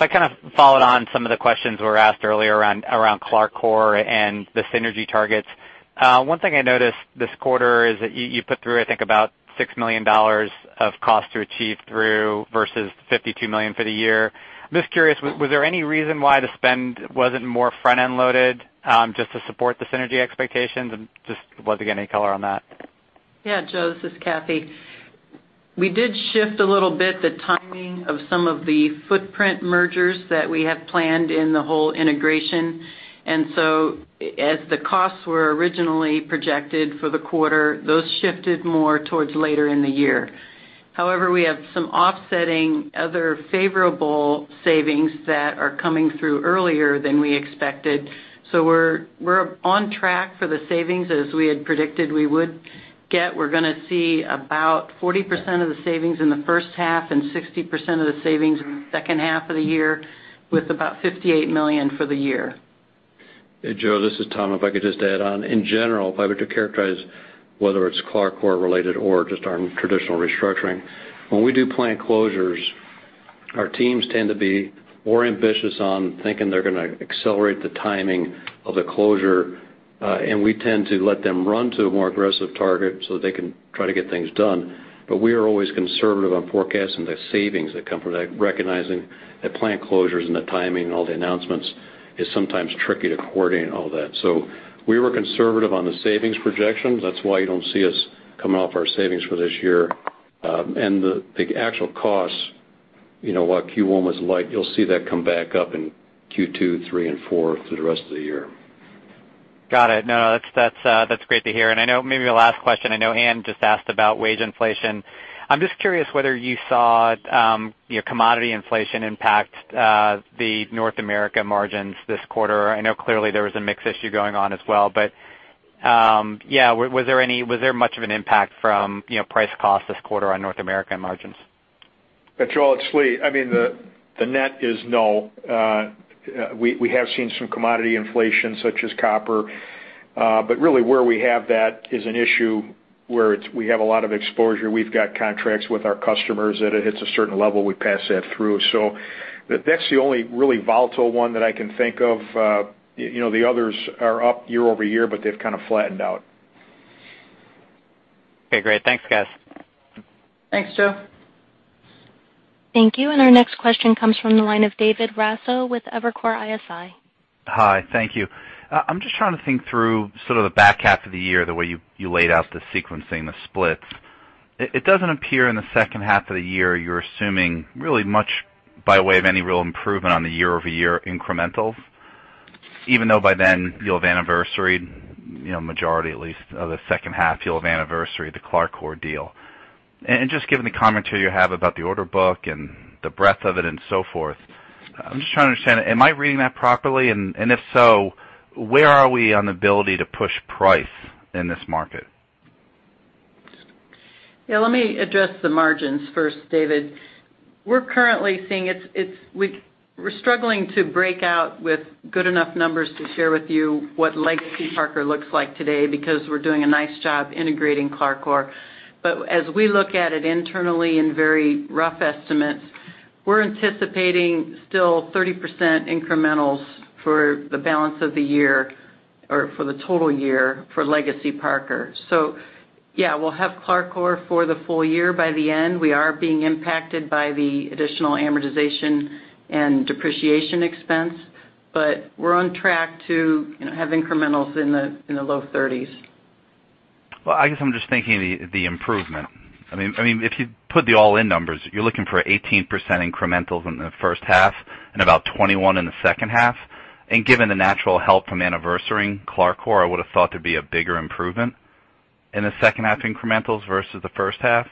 I kind of followed on some of the questions were asked earlier around CLARCOR and the synergy targets. One thing I noticed this quarter is that you put through, I think, about $6 million of cost to achieve through versus $52 million for the year. I'm just curious, was there any reason why the spend wasn't more front-end loaded, just to support the synergy expectations? I was just looking any color on that? Joe, this is Kathy. We did shift a little bit the timing of some of the footprint mergers that we have planned in the whole integration. So as the costs were originally projected for the quarter, those shifted more towards later in the year. However, we have some offsetting other favorable savings that are coming through earlier than we expected. We're on track for the savings as we had predicted we would get. We're going to see about 40% of the savings in the first half and 60% of the savings in the second half of the year, with about $58 million for the year. Joe. This is Tom. If I could just add on. In general, if I were to characterize whether it's CLARCOR related or just our traditional restructuring, when we do plant closures, our teams tend to be more ambitious on thinking they're going to accelerate the timing of the closure, and we tend to let them run to a more aggressive target so they can try to get things done. We are always conservative on forecasting the savings that come from that, recognizing that plant closures and the timing and all the announcements is sometimes tricky to coordinate all that. We were conservative on the savings projections. That's why you don't see us coming off our savings for this year. You know what Q1 was like. You'll see that come back up in Q2, three and four through the rest of the year. Got it. That's great to hear. I know maybe the last question, I know Ann just asked about wage inflation. I'm just curious whether you saw commodity inflation impact the North America margins this quarter. I know clearly there was a mix issue going on as well. Yeah, was there much of an impact from price cost this quarter on North America margins? It's Lee. I mean, the net is null. We have seen some commodity inflation, such as copper. Really where we have that is an issue where we have a lot of exposure. We've got contracts with our customers that if hits a certain level, we pass that through. That's the only really volatile one that I can think of. The others are up year-over-year, but they've kind of flattened out. Okay, great. Thanks, guys. Thanks, Joe. Thank you. Our next question comes from the line of David Raso with Evercore ISI. Hi. Thank you. I'm just trying to think through sort of the back half of the year, the way you laid out the sequencing, the splits. It doesn't appear in the second half of the year, you're assuming really much by way of any real improvement on the year-over-year incrementals, even though by then, you'll have anniversaried majority at least of the second half, you'll have anniversaried the CLARCOR deal. Just given the commentary you have about the order book and the breadth of it and so forth, I'm just trying to understand, am I reading that properly? If so, where are we on the ability to push price in this market? Yeah, let me address the margins first, David. We're currently seeing we're struggling to break out with good enough numbers to share with you what legacy Parker looks like today, because we're doing a nice job integrating CLARCOR. As we look at it internally in very rough estimates, we're anticipating still 30% incrementals for the balance of the year or for the total year for legacy Parker. Yeah, we'll have CLARCOR for the full year by the end. We are being impacted by the additional amortization and depreciation expense, but we're on track to have incrementals in the low 30s. I guess I'm just thinking the improvement. If you put the all-in numbers, you're looking for 18% incrementals in the first half and about 21% in the second half. Given the natural help from anniversarying CLARCOR, I would've thought there'd be a bigger improvement in the second half incrementals versus the first half.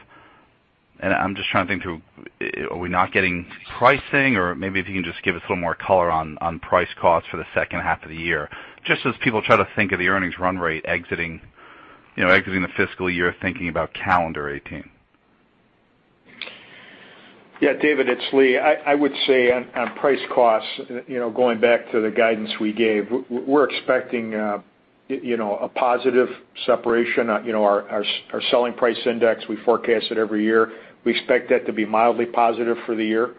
I'm just trying to think through, are we not getting pricing? Or maybe if you can just give us a little more color on price cost for the second half of the year, just as people try to think of the earnings run rate exiting the fiscal year, thinking about calendar 2018. Yeah, David, it's Lee. I would say on price costs, going back to the guidance we gave, we're expecting a positive separation. Our selling price index, we forecast it every year. We expect that to be mildly positive for the year,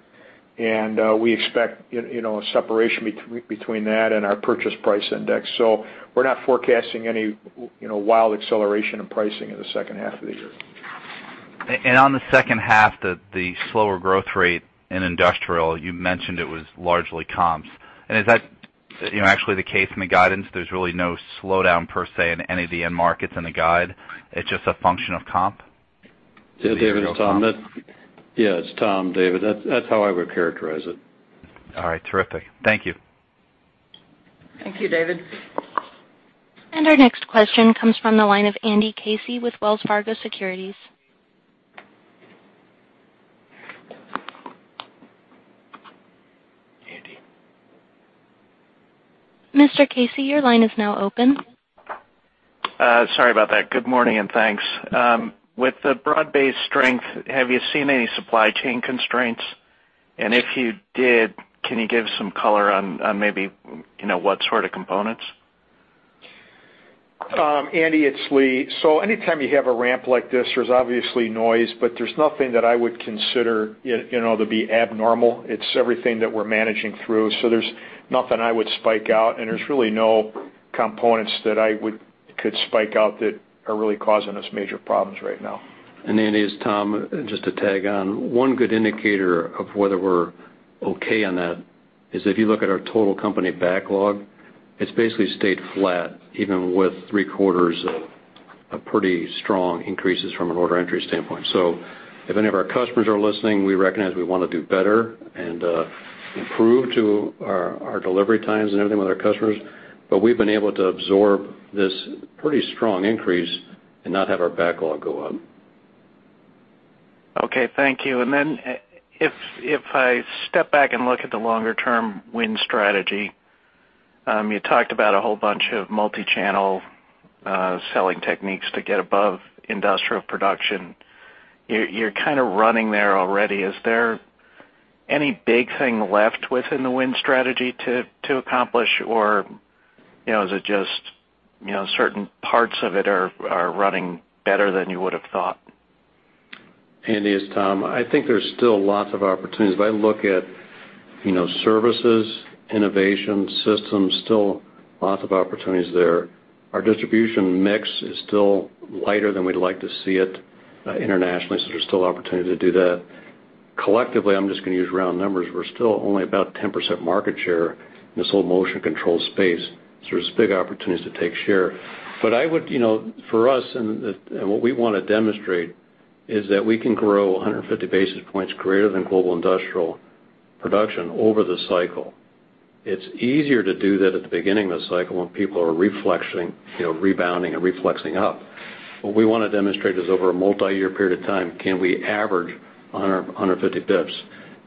and we expect a separation between that and our purchase price index. We're not forecasting any wild acceleration in pricing in the second half of the year. On the second half, the slower growth rate in industrial, you mentioned it was largely comps. Is that actually the case in the guidance? There's really no slowdown per se in any of the end markets in the guide. It's just a function of comp? Yeah, David, it's Tom. Yeah, it's Tom, David. That's how I would characterize it. All right, terrific. Thank you. Thank you, David. Our next question comes from the line of Andrew Casey with Wells Fargo Securities. Andy. Mr. Casey, your line is now open. Sorry about that. Good morning, thanks. With the broad-based strength, have you seen any supply chain constraints? If you did, can you give some color on maybe what sort of components? Andy, it's Lee. Anytime you have a ramp like this, there's obviously noise, but there's nothing that I would consider to be abnormal. It's everything that we're managing through, there's nothing I would spike out, and there's really no components that I could spike out that are really causing us major problems right now. Andy, it's Tom. Just to tag on, one good indicator of whether we're okay on that is if you look at our total company backlog, it's basically stayed flat, even with three quarters of pretty strong increases from an order entry standpoint. If any of our customers are listening, we recognize we want to do better and improve to our delivery times and everything with our customers. We've been able to absorb this pretty strong increase and not have our backlog go up. Okay, thank you. If I step back and look at the longer-term Win Strategy, you talked about a whole bunch of multi-channel selling techniques to get above industrial production. You're kind of running there already. Is there any big thing left within the Win Strategy to accomplish? Is it just certain parts of it are running better than you would've thought? Andy, it's Tom. I think there's still lots of opportunities. If I look at services, innovation, systems, still lots of opportunities there. Our distribution mix is still lighter than we'd like to see it internationally, there's still opportunity to do that. Collectively, I'm just going to use round numbers. We're still only about 10% market share in this whole motion control space. There's big opportunities to take share. I would, for us, and what we want to demonstrate is that we can grow 150 basis points greater than Global Industrial Production over the cycle. It's easier to do that at the beginning of the cycle when people are rebounding and reflexing up. What we want to demonstrate is over a multi-year period of time, can we average 100, 150 bips?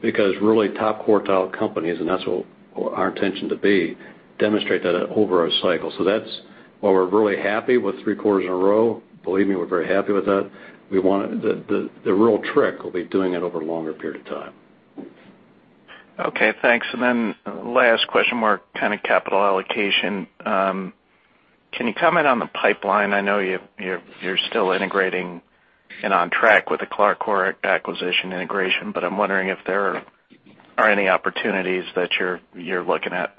Because really top quartile companies, and that's what our intention to be, demonstrate that over a cycle. That's why we're really happy with three quarters in a row. Believe me, we're very happy with that. The real trick will be doing it over a longer period of time. Okay, thanks. Then last question, more kind of capital allocation. Can you comment on the pipeline? I know you're still integrating and on track with the CLARCOR Inc. acquisition integration, but I'm wondering if there are any opportunities that you're looking at.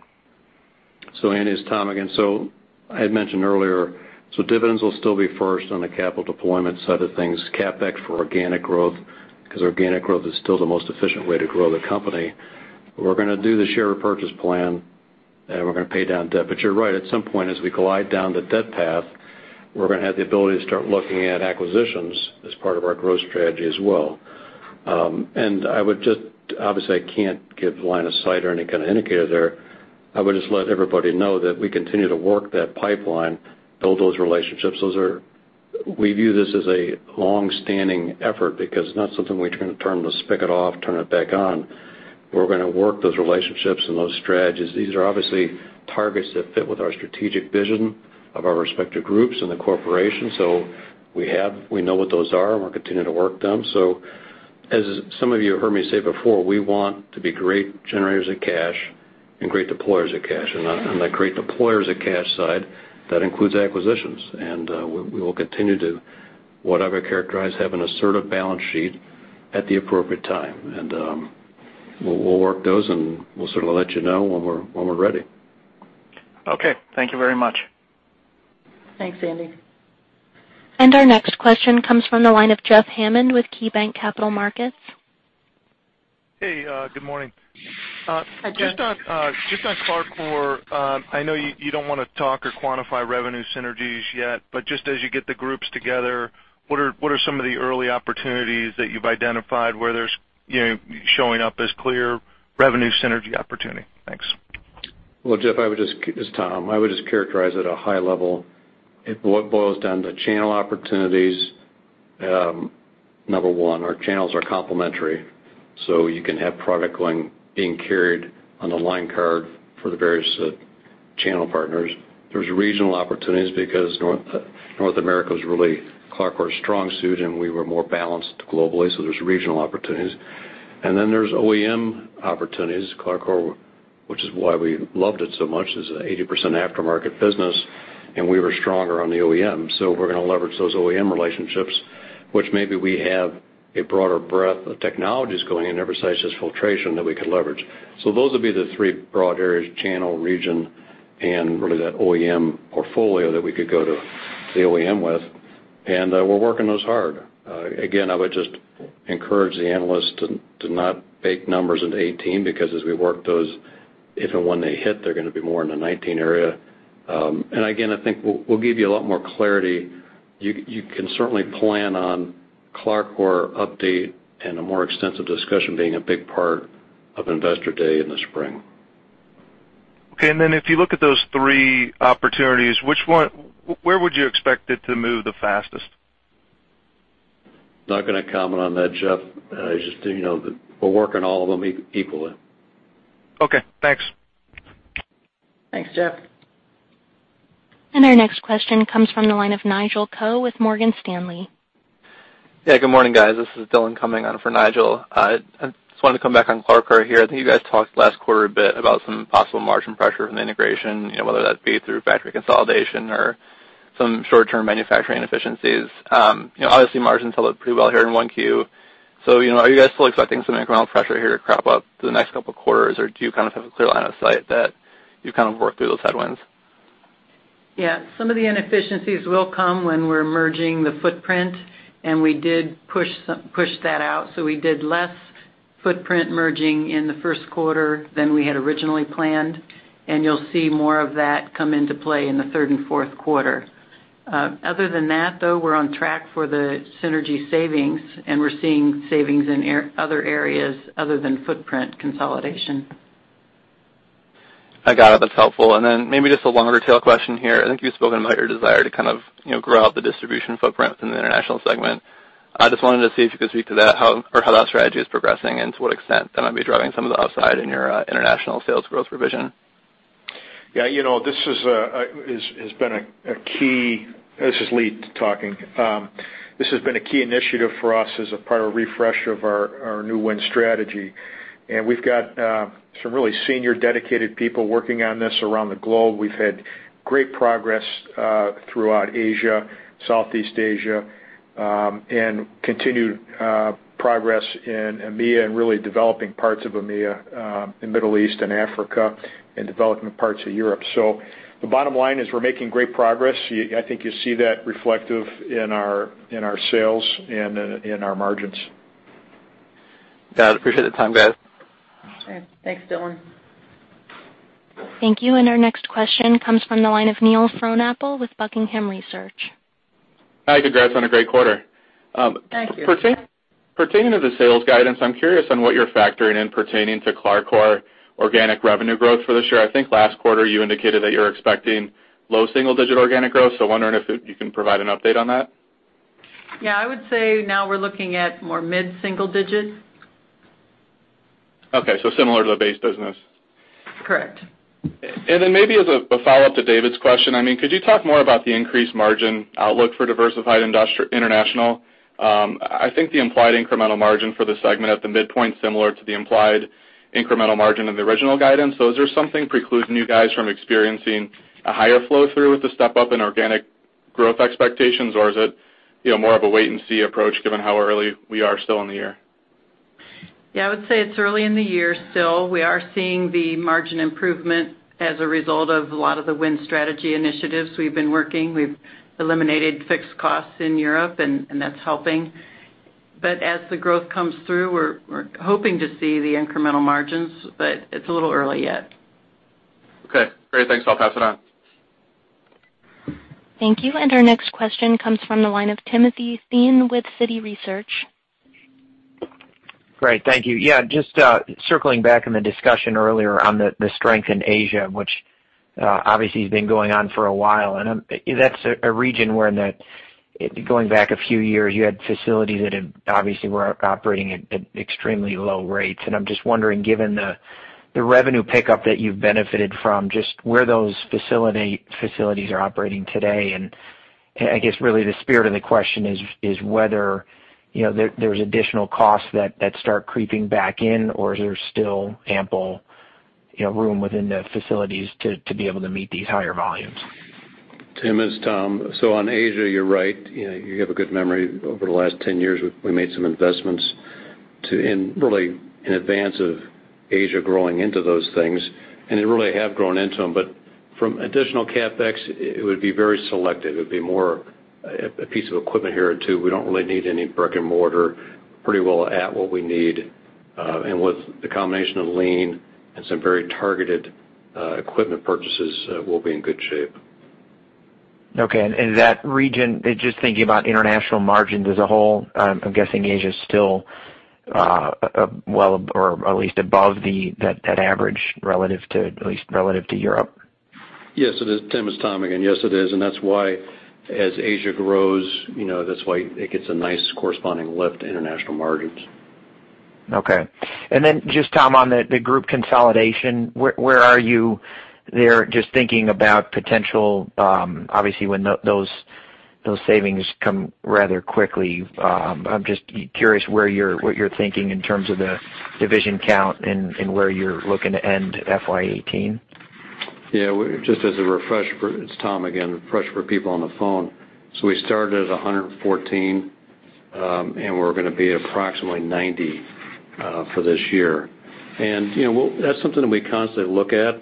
Andy, it's Tom again. I had mentioned earlier, dividends will still be first on the capital deployment side of things, CapEx for organic growth, because organic growth is still the most efficient way to grow the company. We're going to do the share repurchase plan, and we're going to pay down debt. You're right. At some point, as we collide down the debt path, we're going to have the ability to start looking at acquisitions as part of our growth strategy as well. Obviously I can't give line of sight or any kind of indicator there. I would just let everybody know that we continue to work that pipeline, build those relationships. We view this as a long-standing effort because it's not something we turn to turn it off, turn it back on. We're going to work those relationships and those strategies. These are obviously targets that fit with our strategic vision of our respective groups in the corporation. We know what those are, and we'll continue to work them. As some of you have heard me say before, we want to be great generators of cash and great deployers of cash. On that great deployers of cash side, that includes acquisitions, and we will continue to have an assertive balance sheet at the appropriate time. We'll work those, and we'll sort of let you know when we're ready. Okay. Thank you very much. Thanks, Andy. Our next question comes from the line of Jeffrey Hammond with KeyBanc Capital Markets. Hey, good morning. Hi, Jeff. Just on CLARCOR Corp, I know you don't want to talk or quantify revenue synergies yet, but just as you get the groups together, what are some of the early opportunities that you've identified where there's showing up as clear revenue synergy opportunity? Thanks. Well, Jeff, it's Tom. I would just characterize at a high level, it boils down to channel opportunities, number one. Our channels are complementary, so you can have product going, being carried on a line card for the various channel partners. There's regional opportunities because North America is really CLARCOR's strong suit, and we were more balanced globally, so there's regional opportunities. There's OEM opportunities, CLARCOR, which is why we loved it so much, is an 80% aftermarket business, and we were stronger on the OEM. We're going to leverage those OEM relationships, which maybe we have a broader breadth of technologies going in, besides just filtration, that we could leverage. Those would be the three broad areas, channel, region, and really that OEM portfolio that we could go to the OEM with. We're working those hard. I would just encourage the analysts to not bake numbers into 2018, because as we work those, if and when they hit, they're going to be more in the 2019 area. I think we'll give you a lot more clarity. You can certainly plan on CLARCOR update and a more extensive discussion being a big part of Investor Day in the spring. Okay. If you look at those three opportunities, where would you expect it to move the fastest? Not going to comment on that, Jeff. Just so you know that we're working all of them equally. Okay, thanks. Thanks, Jeff. Our next question comes from the line of Nigel Coe with Morgan Stanley. Yeah, good morning, guys. This is Dillon coming on for Nigel. I just wanted to come back on CLARCOR here. I think you guys talked last quarter a bit about some possible margin pressure from the integration, whether that be through factory consolidation or some short-term manufacturing efficiencies. Obviously, margins held up pretty well here in 1Q. Are you guys still expecting some incremental pressure here to crop up through the next couple of quarters, or do you kind of have a clear line of sight that you've kind of worked through those headwinds? Yeah. Some of the inefficiencies will come when we're merging the footprint, and we did push that out. We did less footprint merging in the first quarter than we had originally planned, and you'll see more of that come into play in the third and fourth quarter. Other than that, though, we're on track for the synergy savings, and we're seeing savings in other areas other than footprint consolidation. I got it. That's helpful. Maybe just a longer tail question here. I think you've spoken about your desire to kind of grow out the distribution footprint in the international segment. I just wanted to see if you could speak to that, or how that strategy is progressing and to what extent that might be driving some of the upside in your international sales growth revision. Yeah. This is Lee talking. This has been a key initiative for us as a part of refresh of our new Win Strategy. We've got some really senior dedicated people working on this around the globe. We've had great progress throughout Asia, Southeast Asia, continued progress in EMEA and really developing parts of EMEA, in Middle East and Africa and developing parts of Europe. The bottom line is we're making great progress. I think you'll see that reflective in our sales and in our margins. Got it. Appreciate the time, guys. Okay. Thanks, Dillon. Thank you. Our next question comes from the line of Neil Chatterji with Buckingham Research. Hi, congrats on a great quarter. Thank you. Pertaining to the sales guidance, I'm curious on what you're factoring in pertaining to CLARCOR organic revenue growth for this year. I think last quarter you indicated that you're expecting low single-digit organic growth, so wondering if you can provide an update on that. I would say now we're looking at more mid-single digit. Similar to the base business. Correct. Maybe as a follow-up to David's question, could you talk more about the increased margin outlook for Diversified Industrial International? I think the implied incremental margin for the segment at the midpoint similar to the implied incremental margin in the original guidance. Is there something precluding you guys from experiencing a higher flow-through with the step up in organic growth expectations? Is it more of a wait-and-see approach given how early we are still in the year? I would say it's early in the year still. We are seeing the margin improvement as a result of a lot of the Win Strategy initiatives we've been working. We've eliminated fixed costs in Europe. That's helping. As the growth comes through, we're hoping to see the incremental margins, it's a little early yet. Okay, great. Thanks. I'll pass it on. Thank you. Our next question comes from the line of Timothy Thein with Citi Research. Great. Thank you. Just circling back on the discussion earlier on the strength in Asia, which obviously has been going on for a while, that's a region wherein that going back a few years, you had facilities that obviously were operating at extremely low rates. I'm just wondering, given the revenue pickup that you've benefited from, just where those facilities are operating today. I guess really the spirit of the question is whether there's additional costs that start creeping back in, or is there still ample room within the facilities to be able to meet these higher volumes? Tim, it's Tom. On Asia, you're right. You have a good memory. Over the last 10 years, we made some investments really in advance of Asia growing into those things, and they really have grown into them. From additional CapEx, it would be very selective. It would be more a piece of equipment here or two. We don't really need any brick and mortar. Pretty well at what we need. With the combination of lean and some very targeted equipment purchases, we'll be in good shape. Okay. That region, just thinking about international margins as a whole, I'm guessing Asia is still well or at least above that average at least relative to Europe. Yes, it is. Tim, it's Tom again. Yes, it is. That's why as Asia grows, that's why it gets a nice corresponding lift in international margins. Okay. Then just, Tom, on the group consolidation, where are you there? Just thinking about potential, obviously when those savings come rather quickly. I'm just curious what you're thinking in terms of the division count and where you're looking to end FY 2018. Yeah. Just as a refresher, it's Tom again, refresher for people on the phone. We started at 114, and we're going to be at approximately 90 for this year. That's something that we constantly look at.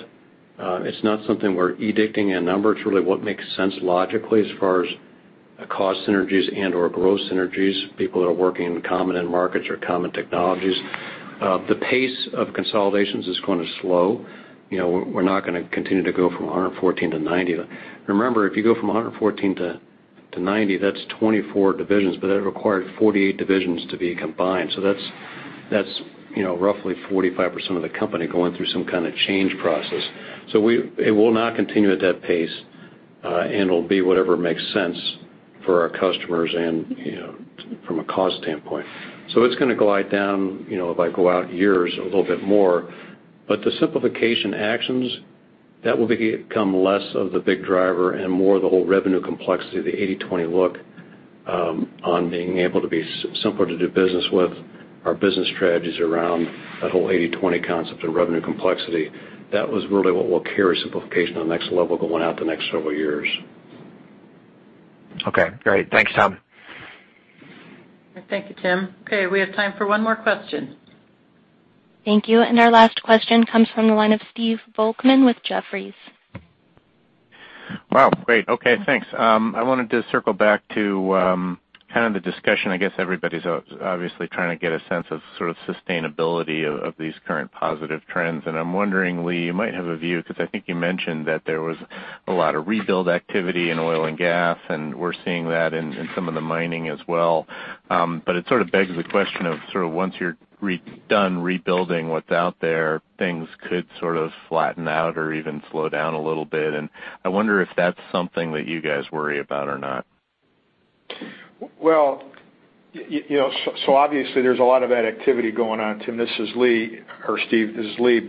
It's not something we're edicting a number. It's really what makes sense logically as far as cost synergies and/or growth synergies, people that are working in common end markets or common technologies. The pace of consolidations is going to slow. We're not going to continue to go from 114 to 90. Remember, if you go from 114 to 90, that's 24 divisions, but that required 48 divisions to be combined. That's roughly 45% of the company going through some kind of change process. It will not continue at that pace, and it'll be whatever makes sense for our customers and from a cost standpoint. It's going to glide down, if I go out years, a little bit more. The simplification actions, that will become less of the big driver and more the whole revenue complexity, the 80/20 look on being able to be simpler to do business with. Our business strategy is around that whole 80/20 concept of revenue complexity. That was really what will carry simplification on the next level going out the next several years. Okay, great. Thanks, Tom. Thank you, Tim. Okay, we have time for one more question. Thank you. Our last question comes from the line of Stephen Volkmann with Jefferies. Wow, great. Okay, thanks. I wanted to circle back to kind of the discussion. I guess everybody's obviously trying to get a sense of sort of sustainability of these current positive trends. I'm wondering, Lee, you might have a view because I think you mentioned that there was a lot of rebuild activity in oil and gas, and we're seeing that in some of the mining as well. It sort of begs the question of sort of once you're done rebuilding what's out there, things could sort of flatten out or even slow down a little bit, and I wonder if that's something that you guys worry about or not. Obviously there's a lot of that activity going on. Tim, this is Lee. Steve, this is Lee.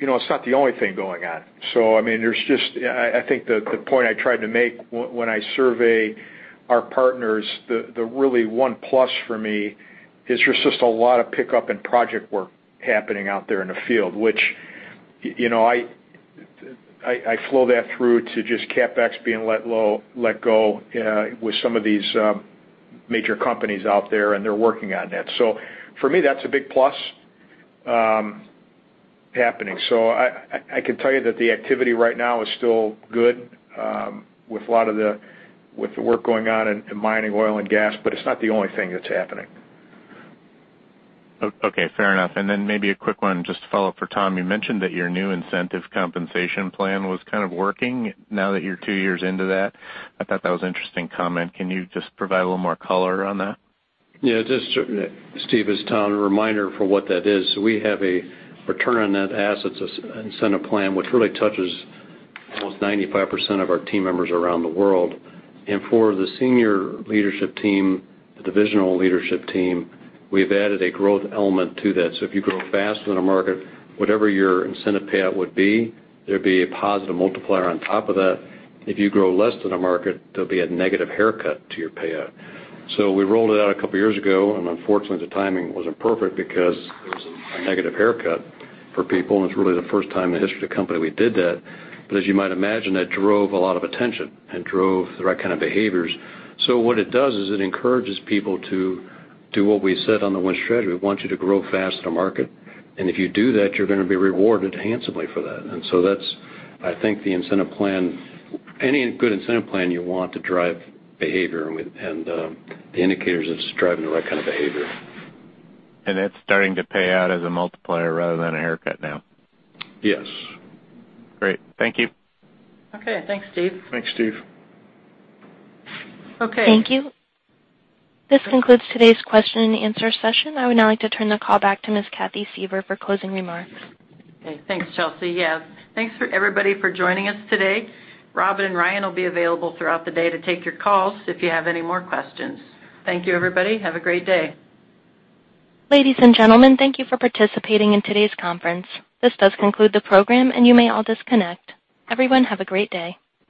It's not the only thing going on. I mean, I think the point I tried to make when I survey our partners, the really one plus for me is there's just a lot of pickup in project work happening out there in the field, which I flow that through to just CapEx being let go with some of these major companies out there, and they're working on that. For me, that's a big plus happening. I can tell you that the activity right now is still good with the work going on in mining oil and gas, but it's not the only thing that's happening. Okay, fair enough. Maybe a quick one just to follow up for Tom. You mentioned that your new incentive compensation plan was kind of working now that you're two years into that. I thought that was an interesting comment. Can you just provide a little more color on that? Yeah. Steve, this is Tom. A reminder for what that is. We have a return on that assets incentive plan, which really touches almost 95% of our team members around the world. For the senior leadership team, the divisional leadership team, we've added a growth element to that. If you grow faster than a market, whatever your incentive payout would be, there'd be a positive multiplier on top of that. If you grow less than a market, there'll be a negative haircut to your payout. We rolled it out a couple of years ago, and unfortunately, the timing wasn't perfect because it was a negative haircut for people, and it's really the first time in the history of the company we did that. As you might imagine, that drove a lot of attention and drove the right kind of behaviors. What it does is it encourages people to do what we said on the Win Strategy. We want you to grow faster than a market, and if you do that, you're going to be rewarded handsomely for that. That's, I think, the incentive plan. Any good incentive plan you want to drive behavior, and the indicators, it's driving the right kind of behavior. That's starting to pay out as a multiplier rather than a haircut now. Yes. Great. Thank you. Okay. Thanks, Steve. Thanks, Steve. Okay. Thank you. This concludes today's question and answer session. I would now like to turn the call back to Ms. Cathy Suever for closing remarks. Okay, thanks, Chelsea. Yeah. Thanks, everybody, for joining us today. Robin and Ryan will be available throughout the day to take your calls if you have any more questions. Thank you, everybody. Have a great day. Ladies and gentlemen, thank you for participating in today's conference. This does conclude the program, and you may all disconnect. Everyone, have a great day.